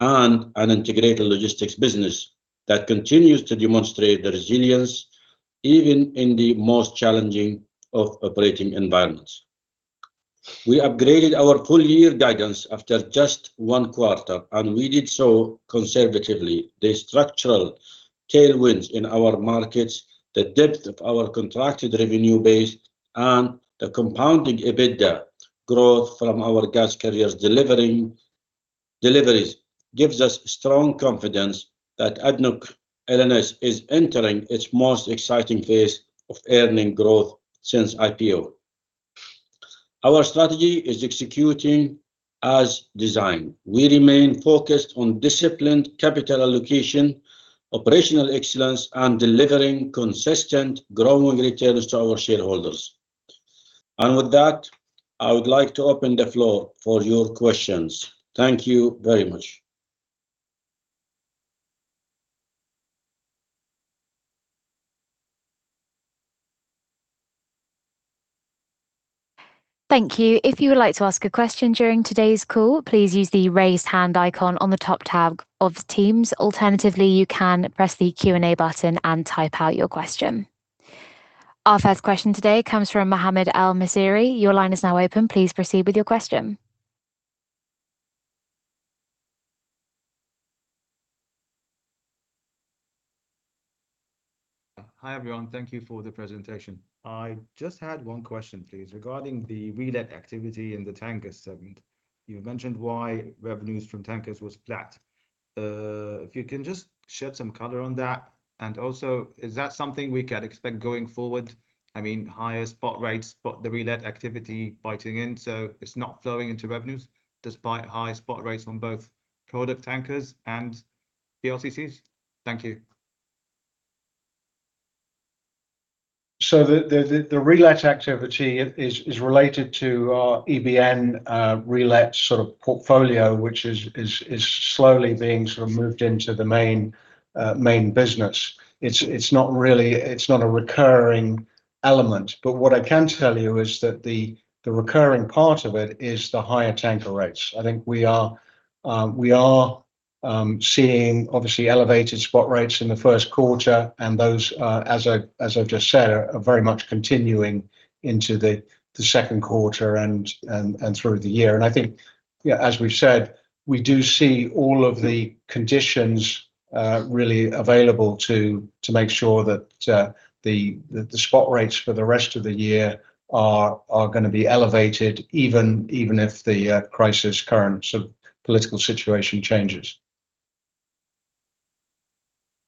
and an integrated logistics business that continues to demonstrate the resilience even in the most challenging of operating environments. We upgraded our full year guidance after just one quarter, and we did so conservatively. The structural tailwinds in our markets, the depth of our contracted revenue base, and the compounding EBITDA growth from our gas carriers delivering deliveries gives us strong confidence that ADNOC L&S is entering its most exciting phase of earning growth since IPO. Our strategy is executing as designed. We remain focused on disciplined capital allocation, operational excellence, and delivering consistent growing returns to our shareholders. With that, I would like to open the floor for your questions. Thank you very much. Thank you. If you would like to ask a question during today's call, please use the raise hand icon on the top tab of Teams. Alternatively, you can press the Q&A button and type out your question. Our first question today comes from Mohamed El Messiry. Your line is now open. Please proceed with your question. Hi, everyone. Thank you for the presentation. I just had one question, please. Regarding the relet activity in the tanker segment, you mentioned why revenues from tankers was flat. If you can just shed some color on that. Also, is that something we can expect going forward? I mean, higher spot rates, but the relet activity biting in, so it's not flowing into revenues despite high spot rates on both product tankers and VLCCs. Thank you. The relet activity is related to our EBN relet sort of portfolio, which is slowly being sort of moved into the main business. It's not really, it's not a recurring element, but what I can tell you is that the recurring part of it is the higher tanker rates. I think we are seeing obviously elevated spot rates in the first quarter, and those, as I've just said, are very much continuing into the second quarter and through the year. I think, yeah, as we've said, we do see all of the conditions really available to make sure that the spot rates for the rest of the year are gonna be elevated even if the crisis current sort of political situation changes.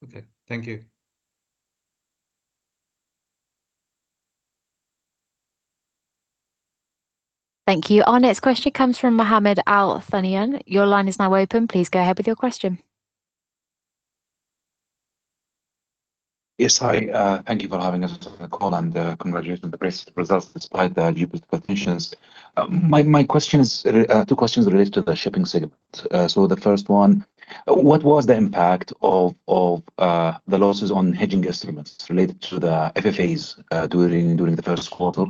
Okay. Thank you. Thank you. Our next question comes from Mohammed Al Thunayan. Your line is now open. Please go ahead with your question. Yes. Hi, thank you for having us on the call, and congratulations on the great results despite the adverse conditions. My question is two questions related to the shipping segment. The first one, what was the impact of the losses on hedging estimates related to the FFAs during the first quarter,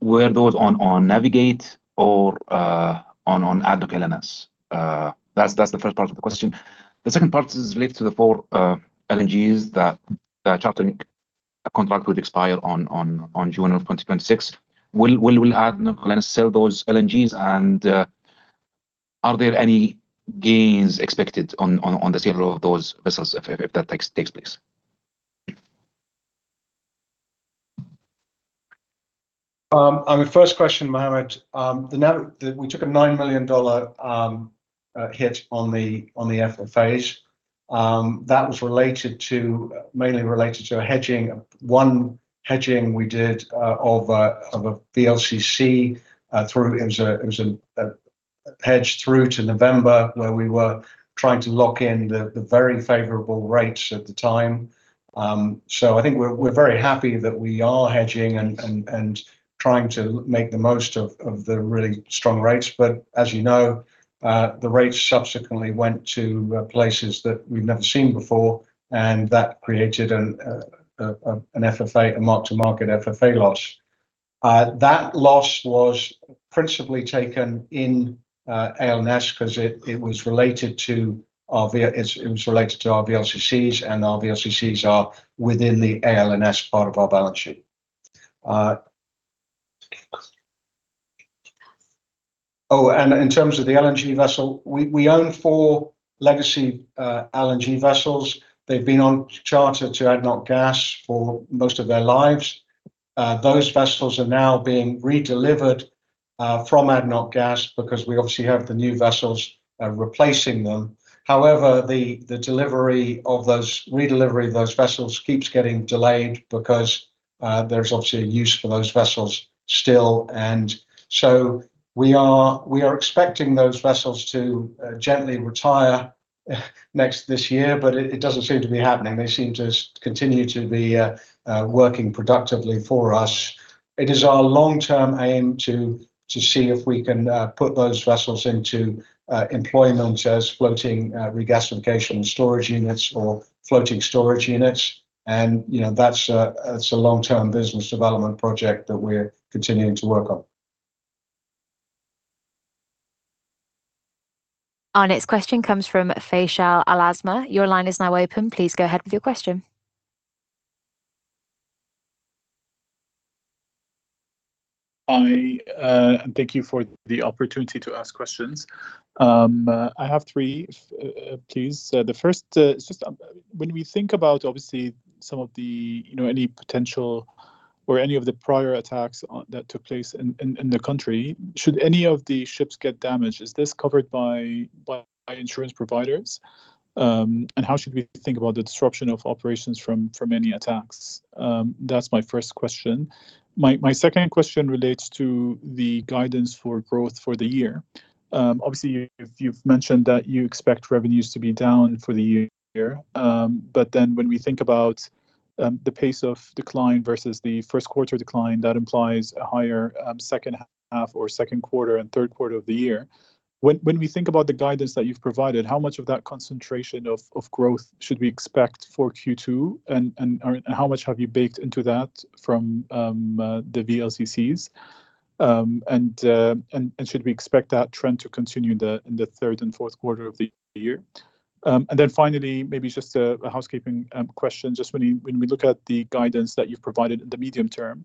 were those on Navig8 or on ADNOC L&S? That's the first part of the question. The second part is related to the part of LNGs that chartering contract would expire on June of 2026. Will ADNOC sell those LNGs? Are there any gains expected on the sale of those vessels if that takes place? On the first question, Mohammed, we took an $9 million hit on the FFAs. That was mainly related to a hedging. One hedging we did of a VLCC, it was a hedge through to November where we were trying to lock in the very favorable rates at the time. I think we're very happy that we are hedging and trying to make the most of the really strong rates. As you know, the rates subsequently went to places that we've never seen before, and that created an FFA, a mark-to-market FFA loss. That loss was principally taken in L&S because it was related to our VLCCs, and our VLCCs are within the L&S part of our balance sheet. In terms of the LNG vessel, we own four legacy LNG vessels. They've been on charter to ADNOC Gas for most of their lives. Those vessels are now being redelivered from ADNOC Gas because we obviously have the new vessels replacing them. However, the redelivery of those vessels keeps getting delayed because there's obviously a use for those vessels still. We are expecting those vessels to gently retire next to this year, but it doesn't seem to be happening. They seem to continue to be working productively for us. It is our long-term aim to see if we can put those vessels into employment as floating regasification storage units or floating storage units. You know, that's a, that's a long-term business development project that we're continuing to work on. Our next question comes from Faisal Al Azmeh. Your line is now open. Please go ahead with your question. I thank you for the opportunity to ask questions. I have three, please. The first is just when we think about obviously some of the any potential or any of the prior attacks on, that took place in the country, should any of the ships get damaged, is this covered by insurance providers? How should we think about the disruption of operations from any attacks? That's my first question. My second question relates to the guidance for growth for the year. Obviously, you've mentioned that you expect revenues to be down for the year. When we think about the pace of decline versus the first quarter decline, that implies a higher second quarter and third quarter of the year. When we think about the guidance that you've provided, how much of that concentration of growth should we expect for Q2 and, or, and how much have you baked into that from the VLCCs? Should we expect that trend to continue in the third and fourth quarter of the year? Finally, maybe just a housekeeping question. When we look at the guidance that you've provided in the medium term,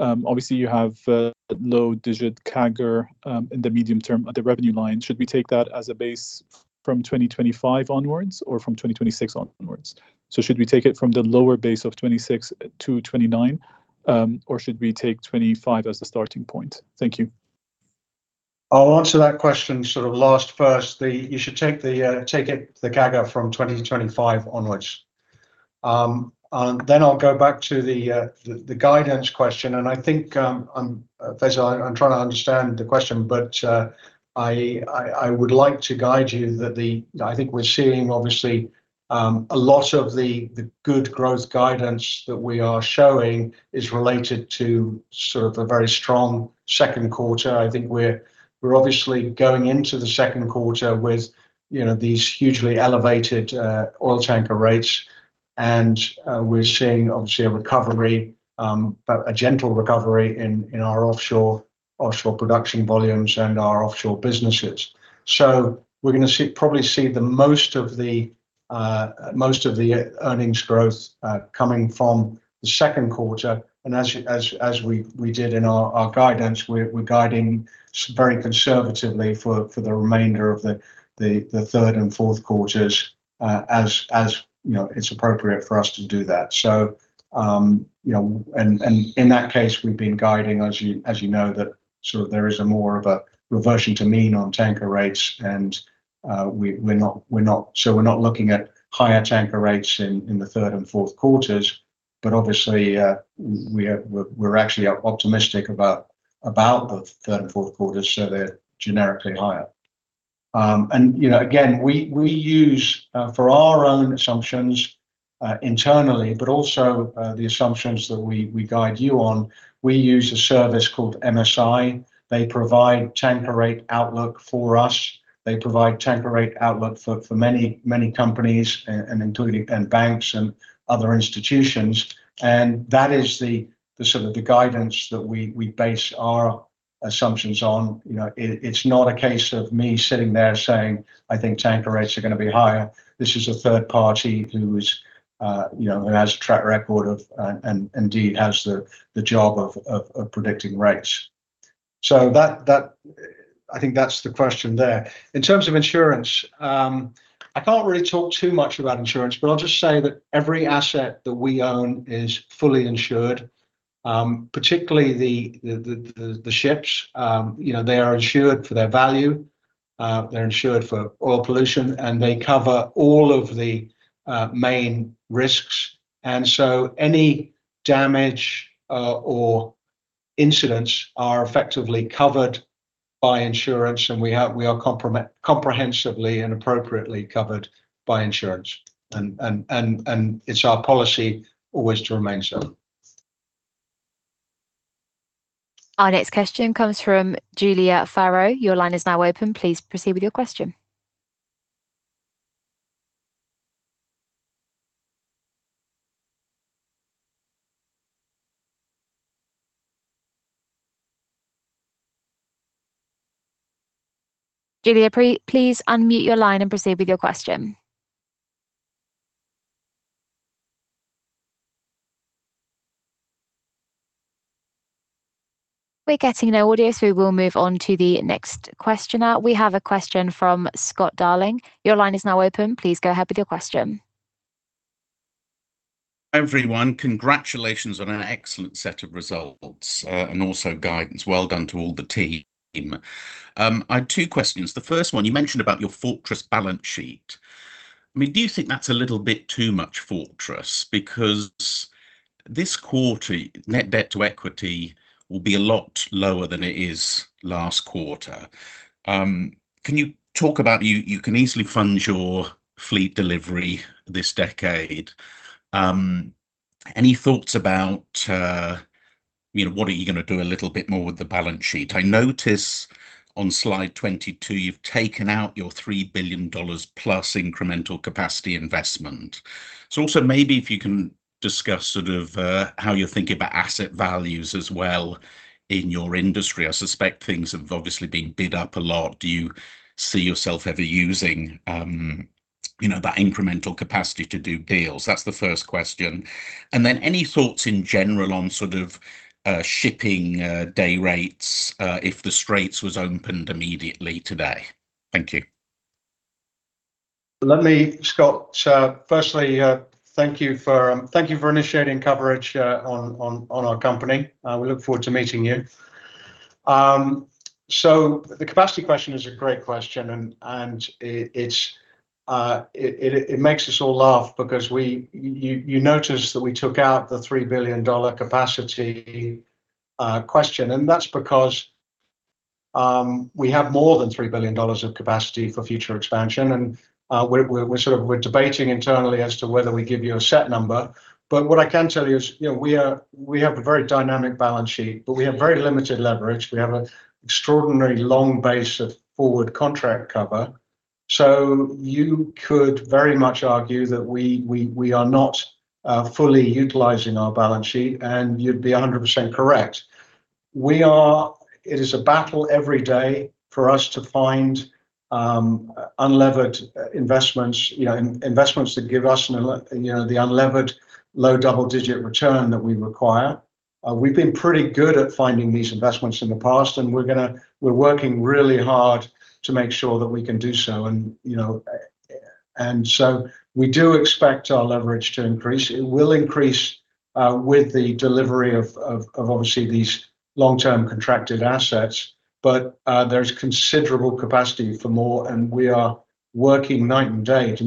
obviously you have a low digit CAGR in the medium term at the revenue line. Should we take that as a base from 2025 onwards or from 2026 onwards? Should we take it from the lower base of 2026 to 2029, or should we take 2025 as the starting point? Thank you. I'll answer that question sort of last first. You should take the CAGR from 2025 onwards. Then I'll go back to the guidance question, and I think, Faisal, I'm trying to understand the question, but I would like to guide you that we're seeing obviously a lot of the good growth guidance that we are showing is related to sort of a very strong second quarter. I think we're obviously going into the second quarter with, you know, these hugely elevated oil tanker rates. We're seeing obviously a recovery, but a gentle recovery in our offshore production volumes and our offshore businesses. We're gonna probably see the most of the earnings growth coming from the second quarter. As we did in our guidance, we're guiding very conservatively for the remainder of the third and fourth quarters, as you know, it's appropriate for us to do that. You know, in that case, we've been guiding, as you know, that sort of there is a more of a reversion to mean on tanker rates. We're not looking at higher tanker rates in the third and fourth quarters. Obviously, we're actually optimistic about the third and fourth quarters, so they're generically higher. You know, again, we use for our own assumptions internally, but also the assumptions that we guide you on, we use a service called MSI, they provide tanker rate outlook for us, they provide tanker rate outlook for many companies and including banks and other institutions. That is the sort of the guidance that we base our assumptions on. You know, it's not a case of me sitting there saying, "I think tanker rates are gonna be higher." This is a third party who is, you know, who has a track record of and indeed has the job of predicting rates. That, I think that's the question there. In terms of insurance, I can't really talk too much about insurance, but I'll just say that every asset that we own is fully insured, particularly the ships. You know, they are insured for their value, they're insured for oil pollution, and they cover all of the main risks. Any damage or incidents are effectively covered by insurance, and we are comprehensively and appropriately covered by insurance. It's our policy always to remain so. Our next question comes from Julia Farrow. Your line is now open. Please proceed with your question. Julia, please unmute your line and proceed with your question. We're getting no audio. We will move on to the next questioner. We have a question from Scott Darling. Your line is now open. Please go ahead with your question. Everyone, congratulations on an excellent set of results, also guidance. Well done to all the team. I have two questions. The first one, you mentioned about your fortress balance sheet. I mean, do you think that's a little bit too much fortress? This quarter, net debt to equity will be a lot lower than it is last quarter. Can you talk about you can easily fund your fleet delivery this decade. Any thoughts about, you know, what are you gonna do a little bit more with the balance sheet? I notice on slide 22, you've taken out your $3 billion plus incremental capacity investment. Also, maybe if you can discuss sort of, how you're thinking about asset values as well in your industry. I suspect things have obviously been bid up a lot. Do you see yourself ever using, you know, that incremental capacity to do deals? That's the first question. Then any thoughts in general on sort of, shipping, day rates, if the Straits was opened immediately today? Thank you. Let me, Scott. Firstly, thank you for initiating coverage on our company. We look forward to meeting you. The capacity question is a great question and it makes us all laugh because we noticed that we took out the $3 billion capacity question. That's because we have more than $3 billion of capacity for future expansion. We're sort of debating internally as to whether we give you a set number. What I can tell you is, you know, we have a very dynamic balance sheet, but we have very limited leverage. We have an extraordinary long base of forward contract cover. You could very much argue that we are not fully utilizing our balance sheet, and you'd be 100% correct. We are. It is a battle every day for us to find unlevered investments, you know, investments that give us, you know, the unlevered low double-digit return that we require. We've been pretty good at finding these investments in the past, and we're working really hard to make sure that we can do so, and you know. We do expect our leverage to increase. It will increase with the delivery of obviously these long-term contracted assets, but there's considerable capacity for more, and we are working night and day. It's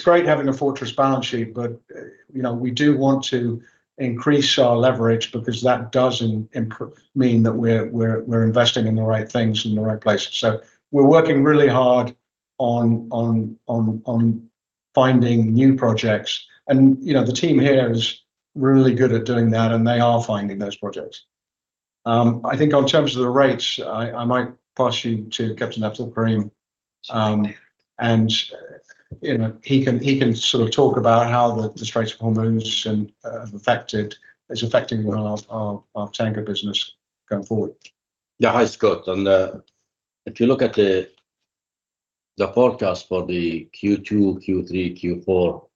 great having a fortress balance sheet, but, you know, we do want to increase our leverage because that does mean that we're investing in the right things in the right places. We're working really hard on finding new projects. You know, the team here is really good at doing that, and they are finding those projects. I think in terms of the rates, I might pass you to Captain Abdulkareem. You know, he can sort of talk about how the Strait of Hormuz is affecting our tanker business going forward. Yeah. Hi, Scott. If you look at the forecast for the Q2, Q3, Q4,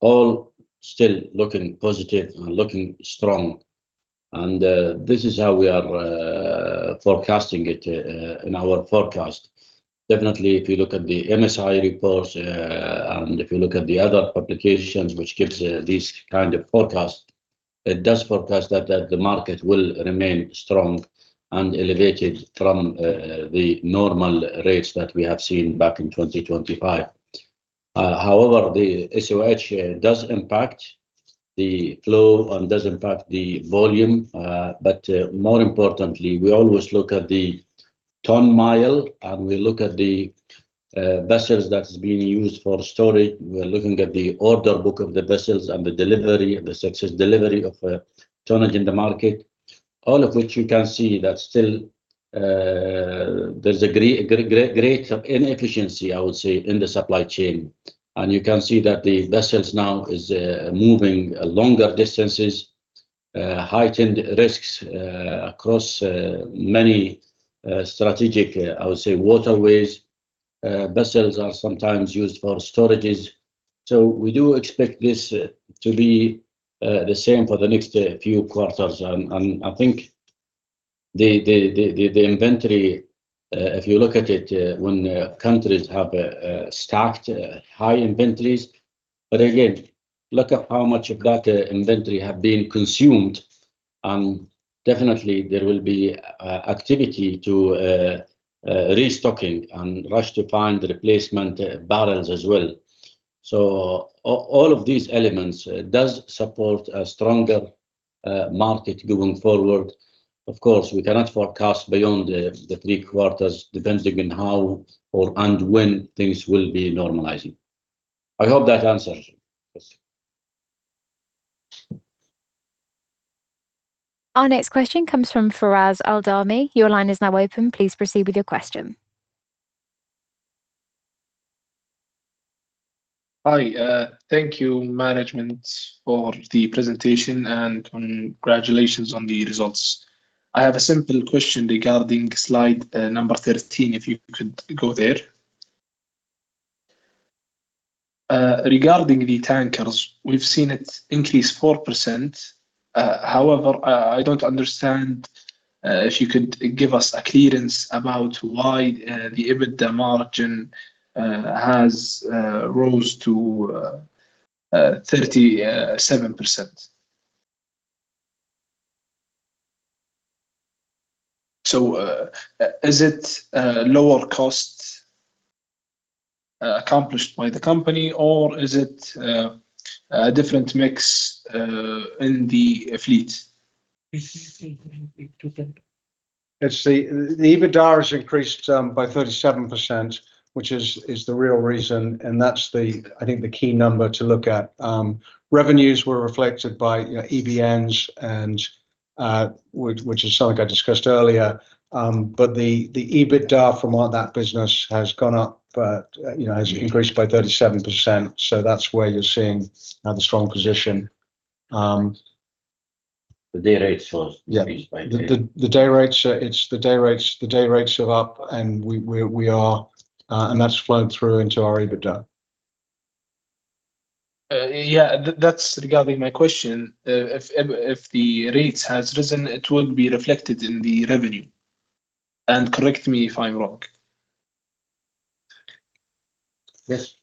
all still looking positive and looking strong. This is how we are forecasting it in our forecast. Definitely, if you look at the MSI reports, if you look at the other publications which gives these kind of forecast, it does forecast that the market will remain strong and elevated from the normal rates that we have seen back in 2025. However, the SOH does impact the flow and does impact the volume. More importantly, we always look at the ton-mile, we look at the vessels that's being used for storage. We're looking at the order book of the vessels and the delivery, the success delivery of tonnage in the market. All of which you can see that still, there's a great inefficiency, I would say, in the supply chain. You can see that the vessels now is moving longer distances, heightened risks across many strategic, I would say, waterways, vessels are sometimes used for storages. We do expect this to be the same for the next few quarters. I think the inventory, if you look at it, when countries have stacked high inventories. Again, look at how much of that inventory have been consumed, and definitely there will be activity to restocking and rush to find the replacement barrels as well. All of these elements does support a stronger market going forward. Of course, we cannot forecast beyond the three quarters, depending on how or, and when things will be normalizing. I hope that answers your question. Our next question comes from Feras Al Darmi. Your line is now open. Please proceed with your question. Hi. Thank you management for the presentation, and congratulations on the results. I have a simple question regarding slide number 13, if you could go there. Regarding the tankers, we've seen it increase 4%. However, I don't understand, if you could give us a clearance about why the EBITDA margin has rose to 37%. Is it lower cost accomplished by the company, or is it a different mix in the fleet? It's the EBITDA has increased by 37%, which is the real reason, and that's I think the key number to look at. Revenues were reflected by EBNs, which is something I discussed earlier. But the EBITDA from that business has gone up, you know, has increased by 37%. That's where you're seeing now the strong position. The day rates was increased by. Yeah. It's the day rates are up, we are, that's flowed through into our EBITDA. Yeah, that's regarding my question. if the rates has risen, it will be reflected in the revenue? correct me if I'm wrong. Yes.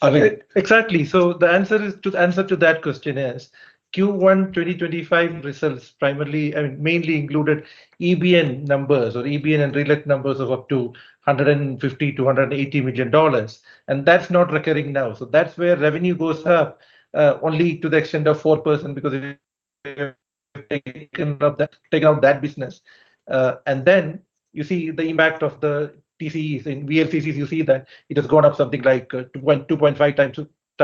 Khaleel? Exactly. The answer to that question is Q1 2025 results primarily, I mean, mainly included EBN numbers or EBN and relate numbers of up to $150 million-$180 million, that's not recurring now. That's where revenue goes up only to the extent of 4% because if you take out that business. Then you see the impact of the TCEs. In VLCCs you see that it has gone up something like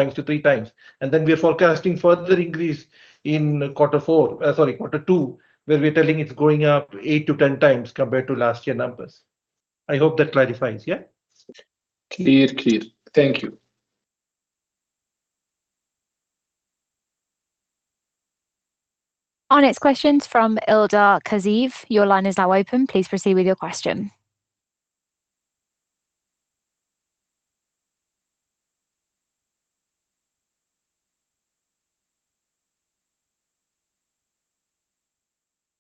2.5x-3x. Then we are forecasting further increase in quarter four, sorry, quarter two, where we're telling it's going up 8x-10x compared to last year numbers. I hope that clarifies, yeah? Clear. Clear. Thank you. Our next question's from Ildar Khaziev. Your line is now open, please proceed with your question.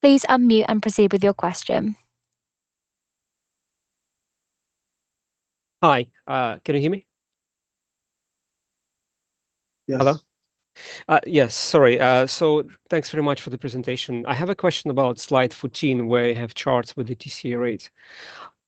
Please unmute and proceed with your question. Hi. Can you hear me? Yes. Hello? Yes, sorry. Thanks very much for the presentation. I have a question about slide 14, where you have charts with the TCE rates.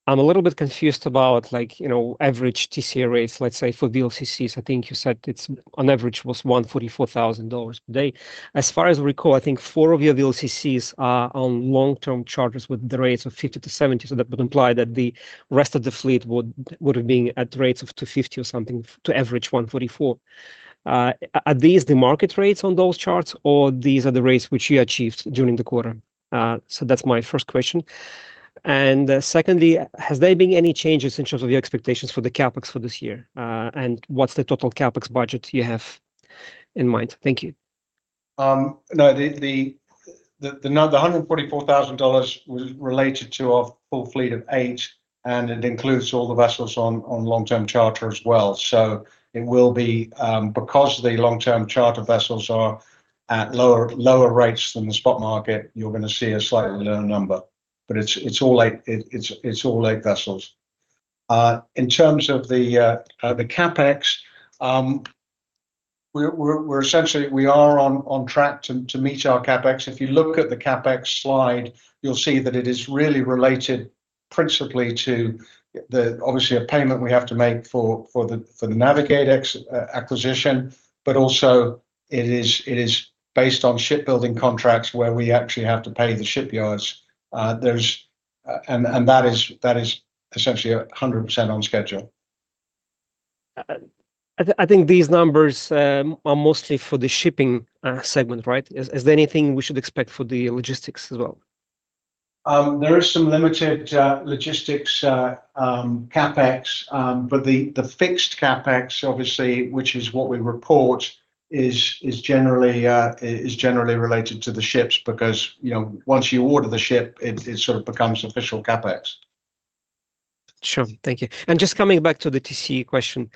I'm a little bit confused about, like, you know, average TCE rates, let's say for VLCCs. I think you said it's on average was $144,000 per day. As far as I recall, I think four of your VLCCs are on long-term charters with the rates of $50-$70, that would imply that the rest of the fleet would have been at rates of $250 or something to average $144. Are these the market rates on those charts, or these are the rates which you achieved during the quarter? That's my first question. Secondly, has there been any changes in terms of your expectations for the CapEx for this year? What's the total CapEx budget you have in mind? Thank you. No, the number, the $144,000 was related to our full fleet of eight, and it includes all the vessels on long-term charter as well. It will be, because the long-term charter vessels are at lower rates than the spot market, you're gonna see a slightly lower number, it's all eight vessels. In terms of the CapEx, we're essentially we are on track to meet our CapEx. If you look at the CapEx slide, you'll see that it is really related principally to the obviously a payment we have to make for the Navig8 acquisition, also it is based on shipbuilding contracts where we actually have to pay the shipyards. That is essentially 100% on schedule. I think these numbers are mostly for the shipping segment, right? Is there anything we should expect for the logistics as well? There is some limited logistics CapEx, but the fixed CapEx obviously, which is what we report. Is generally related to the ships because, you know, once you order the ship, it sort of becomes official CapEx. Sure. Thank you. Just coming back to the TCE question.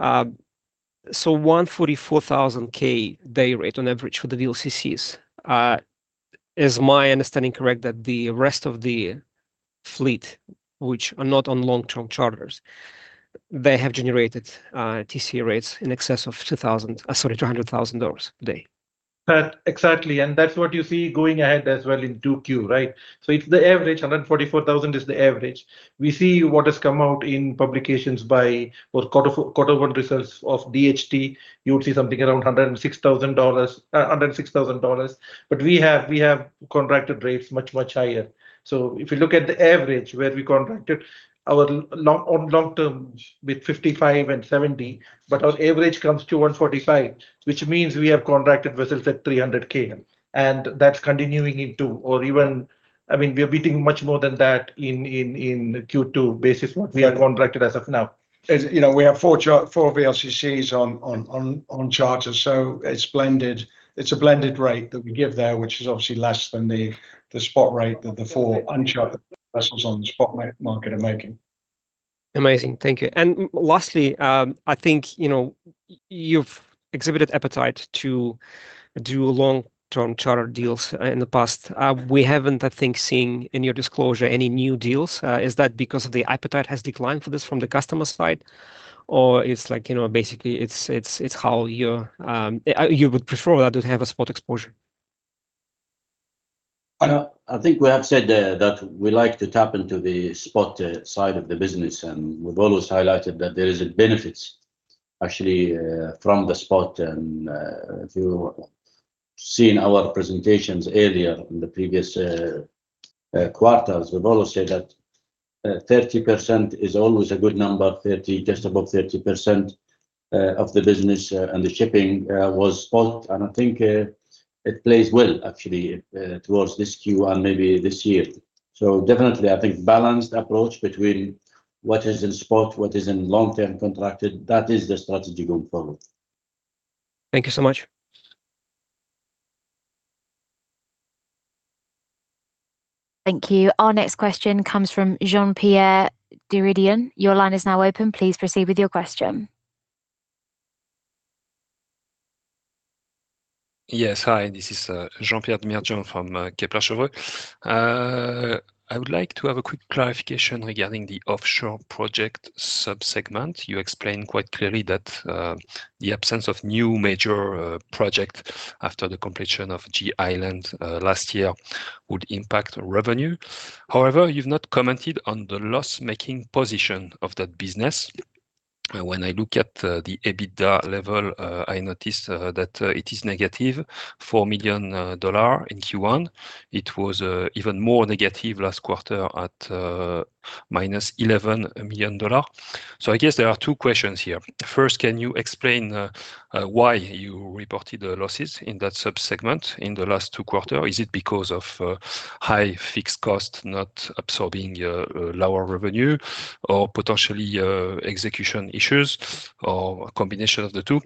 $144,000 day rate on average for the VLCCs, is my understanding correct that the rest of the fleet, which are not on long-term charters, they have generated TCE rates in excess of $200,000 a day? Exactly, that's what you see going ahead as well in 2Q, right? It's the average, $144,000 is the average. We see what has come out in publications by, well, Q1 results of DHT, you would see something around $106,000, we have contracted rates much higher. If you look at the average where we contracted our long-term with $55,000 and $70,000, our average comes to $145,000, which means we have contracted vessels at $300,000. That's continuing into or even, I mean, we are beating much more than that in Q2 basis what we are contracted as of now. As you know, we have four VLCCs on charter. It's blended. It's a blended rate that we give there, which is obviously less than the spot rate that the four uncharted vessels on the spot market are making. Amazing. Thank you. Lastly, I think, you know, you've exhibited appetite to do long-term charter deals in the past. We haven't, I think, seen in your disclosure any new deals. Is that because of the appetite has declined for this from the customer side? Is it like, you know, basically it's how you would prefer that to have a spot exposure? I think we have said that we like to tap into the spot side of the business, and we've always highlighted that there is benefits actually from the spot. If you've seen our presentations earlier in the previous quarters, we've always said that 30% is always a good number. Just above 30% of the business and the shipping was spot. I think it plays well actually towards this Q1 and maybe this year. Definitely, I think balanced approach between what is in spot, what is in long-term contracted, that is the strategy going forward. Thank you so much. Thank you. Our next question comes from Jean-Pierre Dmirdjian. Your line is now open. Please proceed with your question. Yes. Hi, this is Jean-Pierre Dmirdjian from Kepler Cheuvreux. I would like to have a quick clarification regarding the offshore project sub-segment. You explained quite clearly that the absence of new major project after the completion of G Island last year would impact revenue. You've not commented on the loss-making position of that business. When I look at the EBITDA level, I noticed that it is negative $4 million in Q1. It was even more negative last quarter at minus $11 million. I guess there are two questions here. First, can you explain why you reported the losses in that sub-segment in the last two quarter? Is it because of high fixed cost not absorbing lower revenue or potentially execution issues, or a combination of the two?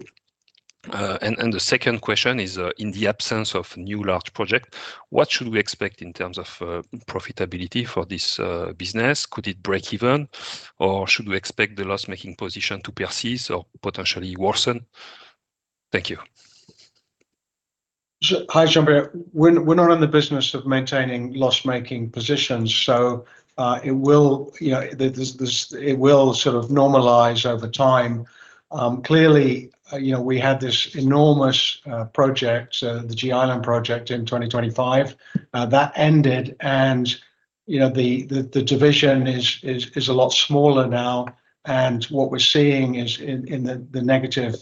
The second question is, in the absence of new large project, what should we expect in terms of profitability for this business? Could it break even, or should we expect the loss-making position to persist or potentially worsen? Thank you. Hi, Jean-Pierre. We're not in the business of maintaining loss-making positions. It will, you know, sort of normalize over time. Clearly, you know, we had this enormous project, the G Island project in 2025, that ended. You know, the division is a lot smaller now. What we're seeing is in the negative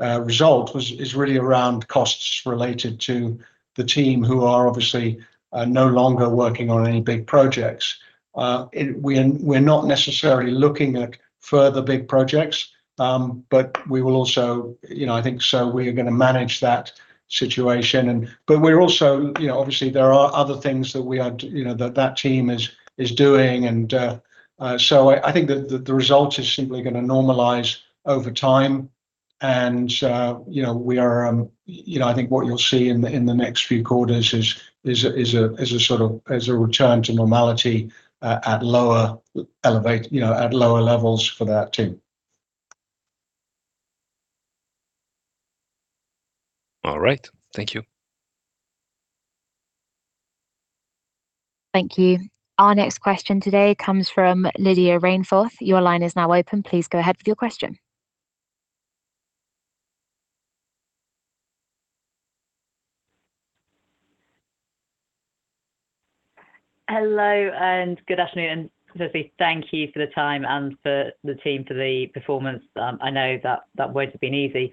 result is really around costs related to the team who are obviously no longer working on any big projects. We're not necessarily looking at further big projects. We will also, you know, I think we're going to manage that situation. We're also, you know, obviously, there are other things that we are, you know, that team is doing. So I think that the result is simply gonna normalize over time. You know, we are, you know, I think what you'll see in the next few quarters is a sort of return to normality at lower levels for that team. All right. Thank you. Thank you. Our next question today comes from Lydia Rainforth. Your line is now open. Please go ahead with your question. Hello, good afternoon. Firstly, thank you for the time and for the team for the performance. I know that that won't have been easy.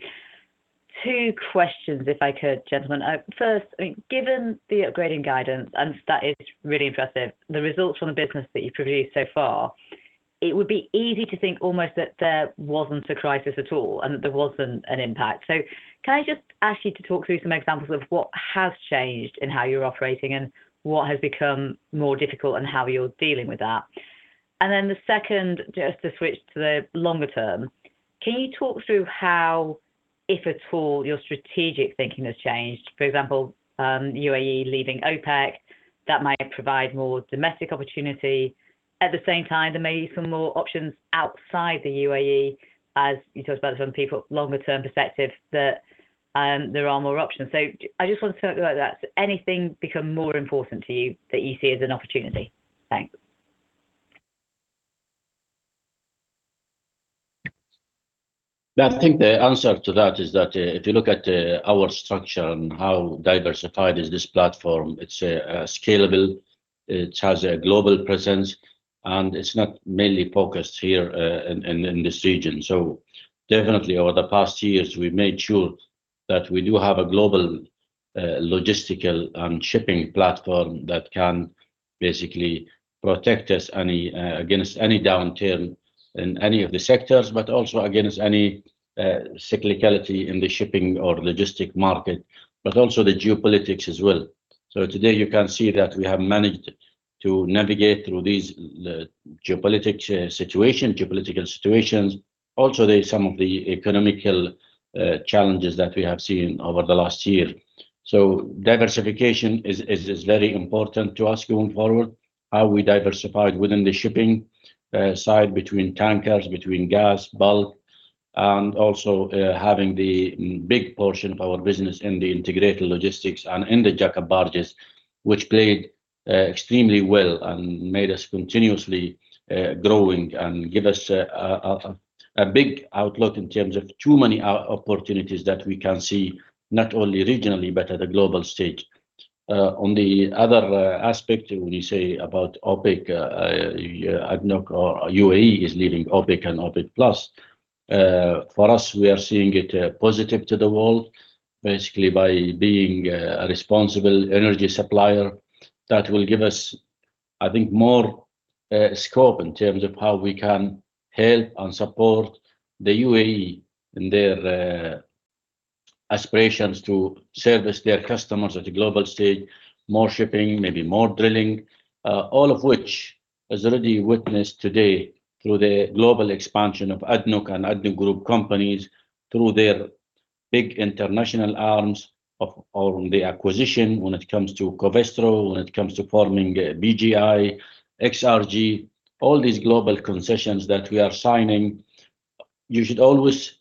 Two questions if I could, gentlemen. First, given the upgrading guidance, that is really impressive, the results from the business that you've produced so far, it would be easy to think almost that there wasn't a crisis at all and that there wasn't an impact. Can I just ask you to talk through some examples of what has changed in how you're operating and what has become more difficult and how you're dealing with that? Then the second, just to switch to the longer term, can you talk through how, if at all, your strategic thinking has changed? For example, UAE leaving OPEC, that might provide more domestic opportunity. At the same time, there may be some more options outside the UAE, as you talked about some people, longer term perspective that there are more options. I just want to talk about that. Anything become more important to you that you see as an opportunity? Thanks. I think the answer to that is that, if you look at our structure and how diversified is this platform, it's scalable, it has a global presence, and it's not mainly focused here in this region. Definitely over the past years, we made sure that we do have a global logistical shipping platform that can basically protect us against any downturn in any of the sectors, but also against any cyclicality in the shipping or logistic market, but also the geopolitics as well. Today you can see that we have managed to navigate through these geopolitical situations. Also there's some of the economic challenges that we have seen over the last year. Diversification is very important to us going forward. How we diversified within the shipping side between tankers, between gas, bulk, and also, having the big portion of our business in the integrated logistics and in the jack-up barges, which played extremely well and made us continuously growing and give us a big outlook in terms of too many opportunities that we can see, not only regionally, but at a global stage. On the other aspect, when you say about OPEC, ADNOC or UAE is leading OPEC and OPEC Plus. For us, we are seeing it positive to the world, basically by being a responsible energy supplier that will give us, I think, more scope in terms of how we can help and support the UAE in their aspirations to service their customers at a global stage, more shipping, maybe more drilling, all of which is already witnessed today through the global expansion of ADNOC and ADNOC Group companies through their big international arms of, or the acquisition when it comes to Covestro, when it comes to forming BGI, XRG, all these global concessions that we are signing. You should always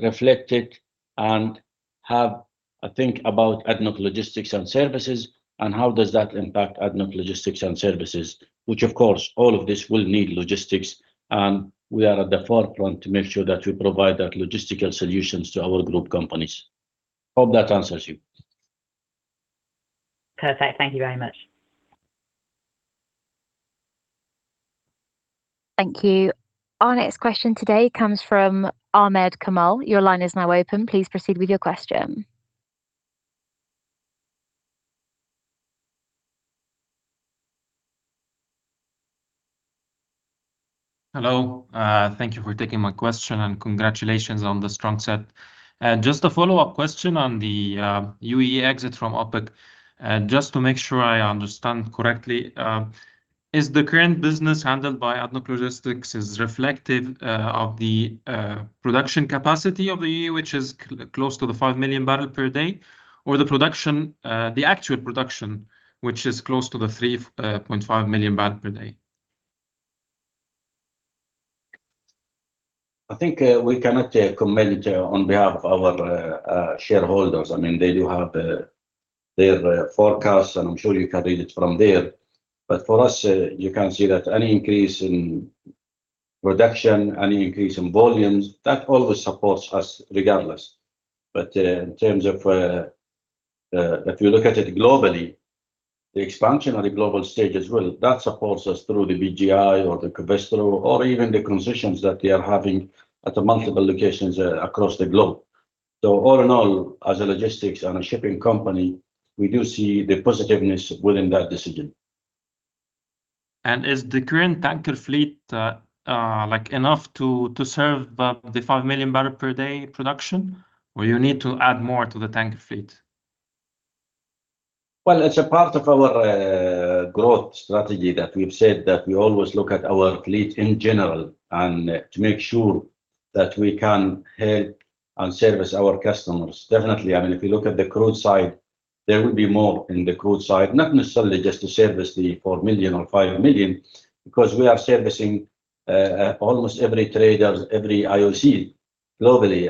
reflect it and have a think about ADNOC Logistics & Services and how does that impact ADNOC Logistics & Services, which of course, all of this will need logistics, and we are at the forefront to make sure that we provide that logistical solutions to our group companies. Hope that answers you. Perfect. Thank you very much. Thank you. Our next question today comes from Ahmed Kamal. Your line is now open. Please proceed with your question. Hello. Thank you for taking my question, and congratulations on the strong set. Just a follow-up question on the UAE exit from OPEC. Just to make sure I understand correctly, is the current business handled by ADNOC Logistics is reflective of the production capacity of the UAE, which is close to the 5 million barrel per day, or the production, the actual production, which is close to the 3.5 million barrel per day? I think, we cannot comment on behalf of our shareholders. I mean, they do have their forecasts, and I'm sure you can read it from there. For us, you can see that any increase in production, any increase in volumes, that always supports us regardless. In terms of, if you look at it globally, the expansion on the global stage as well, that supports us through the BGI or the Covestro or even the concessions that they are having at multiple locations across the globe. All in all, as a logistics and a shipping company, we do see the positiveness within that decision. Is the current tanker fleet, like enough to serve the 5 million barrel per day production, or you need to add more to the tanker fleet? Well, it's a part of our growth strategy that we've said that we always look at our fleet in general and to make sure that we can help and service our customers. Definitely, I mean, if you look at the crude side, there will be more in the crude side, not necessarily just to service the 4 million or 5 million, because we are servicing almost every traders, every IOC globally.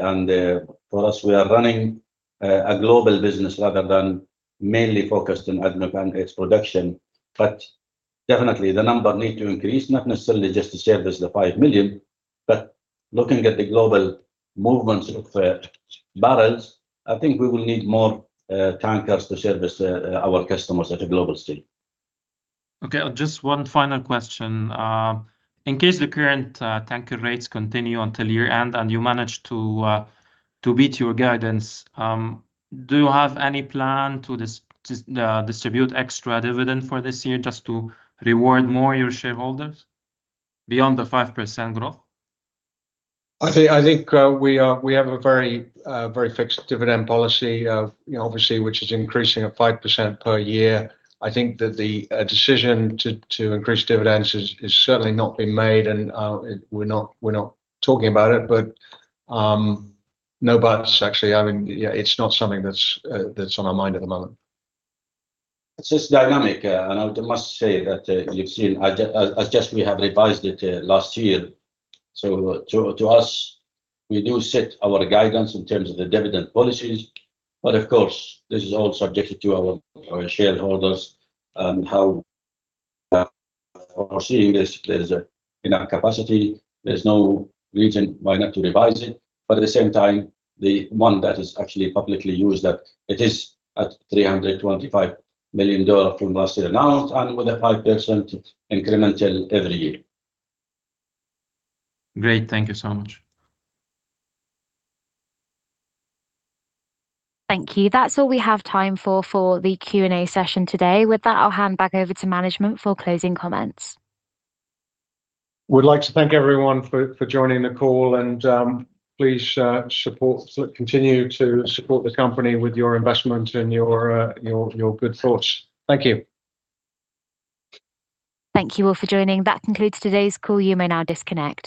For us, we are running a global business rather than mainly focused on ADNOC and its production. Definitely the number need to increase, not necessarily just to service the 5 million, but looking at the global movements of barrels, I think we will need more tankers to service our customers at a global stage. Okay. Just one final question. In case the current tanker rates continue until year-end and you manage to beat your guidance, do you have any plan to distribute extra dividend for this year just to reward more your shareholders beyond the 5% growth? I think, we have a very fixed dividend policy, you know, obviously, which is increasing at 5% per year. I think that the decision to increase dividends has certainly not been made, and, we're not talking about it. No, actually, I mean, yeah, it's not something that's on our mind at the moment. It's just dynamic. I must say that, you've seen, we have revised it last year. To us, we do set our guidance in terms of the dividend policies. Of course, this is all subjected to our shareholders on how we're seeing this. In our capacity, there's no reason why not to revise it. At the same time, the one that is actually publicly used, that it is at $325 million from last year announced and with a 5% incremental every year. Great. Thank you so much. Thank you. That's all we have time for for the Q&A session today. With that, I'll hand back over to management for closing comments. We'd like to thank everyone for joining the call. Please support, continue to support the company with your investment and your good thoughts. Thank you. Thank you all for joining. That concludes today's call. You may now disconnect.